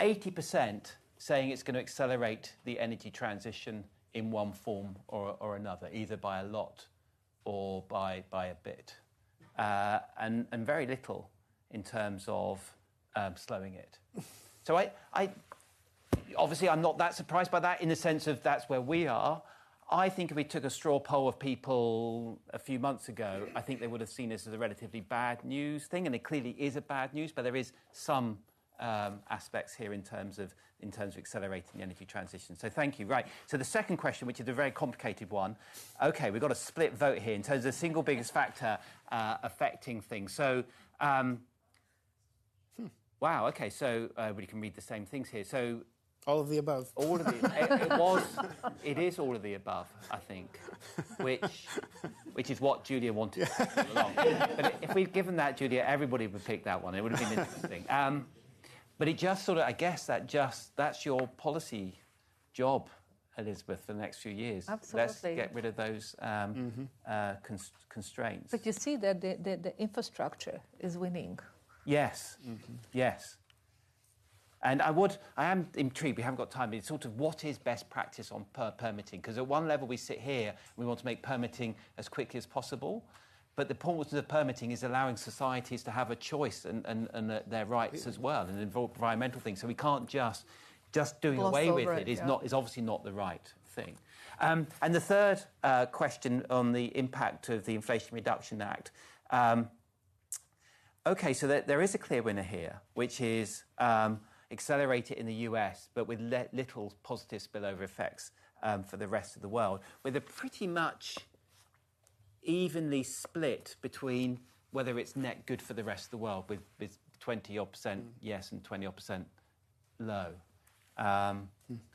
Speaker 1: 80% saying it's going to accelerate the energy transition in one form or another, either by a lot or by a bit. Very little in terms of slowing it. I... Obviously, I'm not that surprised by that in the sense of that's where we are. I think if we took a straw poll of people a few months ago, I think they would have seen this as a relatively bad news thing, and it clearly is bad news, but there are some aspects here in terms of accelerating the energy transition. Thank you. Right. The second question, which is a very complicated one. Okay, we've got a split vote here in terms of the single biggest factor affecting things. Wow, okay. We can read the same things here. All of the above. It is all of the above, I think. Which is what Julia wanted all along. Yeah. If we'd given that, Julia, everybody would pick that one. It would've been interesting. It just sort of... I guess that just... That's your policy job, Elizabeth, for the next few years.
Speaker 2: Absolutely.
Speaker 1: Let's get rid of those Mm-hmm constraints.
Speaker 2: You see that the infrastructure is winning.
Speaker 1: Yes. Mm-hmm. Yes. I am intrigued, we haven't got time, but it's sort of what is best practice on permitting? Because at one level we sit here and we want to make permitting as quickly as possible. The point of the permitting is allowing societies to have a choice and their rights as well and involve environmental things. We can't just doing away with it-
Speaker 2: Balance. Got it, yeah...
Speaker 1: is not, is obviously not the right thing. The third question on the impact of the Inflation Reduction Act. Okay, there is a clear winner here, which is Accelerated in the U.S. but with little positive spillover effects for the rest of the world, with a pretty much evenly split between whether it's net good for the rest of the world with 20% odd yes, and 20% odd no.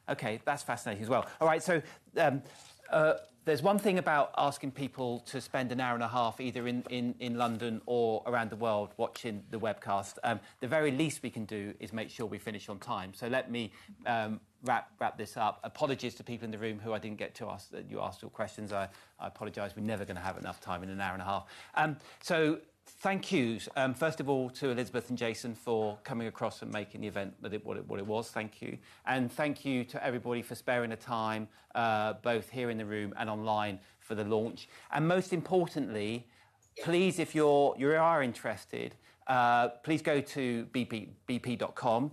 Speaker 1: Okay. That's fascinating as well. All right. There's one thing about asking people to spend an hour and a half either in London or around the world watching the webcast, the very least we can do is make sure we finish on time. Let me wrap this up. Apologies to people in the room who I didn't get to ask, you ask your questions. I apologize. We're never going to have enough time in an hour and a half. Thank you, first of all to Elisabeth and Jason for coming across and making the event what it was. Thank you. Thank you to everybody for sparing the time both here in the room and online for the launch. Most importantly, please, if you are interested, please go to bp.com.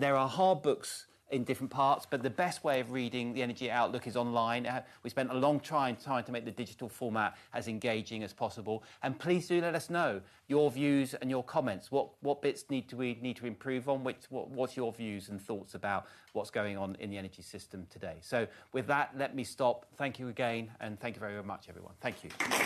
Speaker 1: There are hard books in different parts, but the best way of reading the Energy Outlook is online. We spent a long time to make the digital format as engaging as possible. Please do let us know your views and your comments. What bits need to improve on? What's your views and thoughts about what's going on in the energy system today? With that, let me stop. Thank you again, thank you very much everyone. Thank you.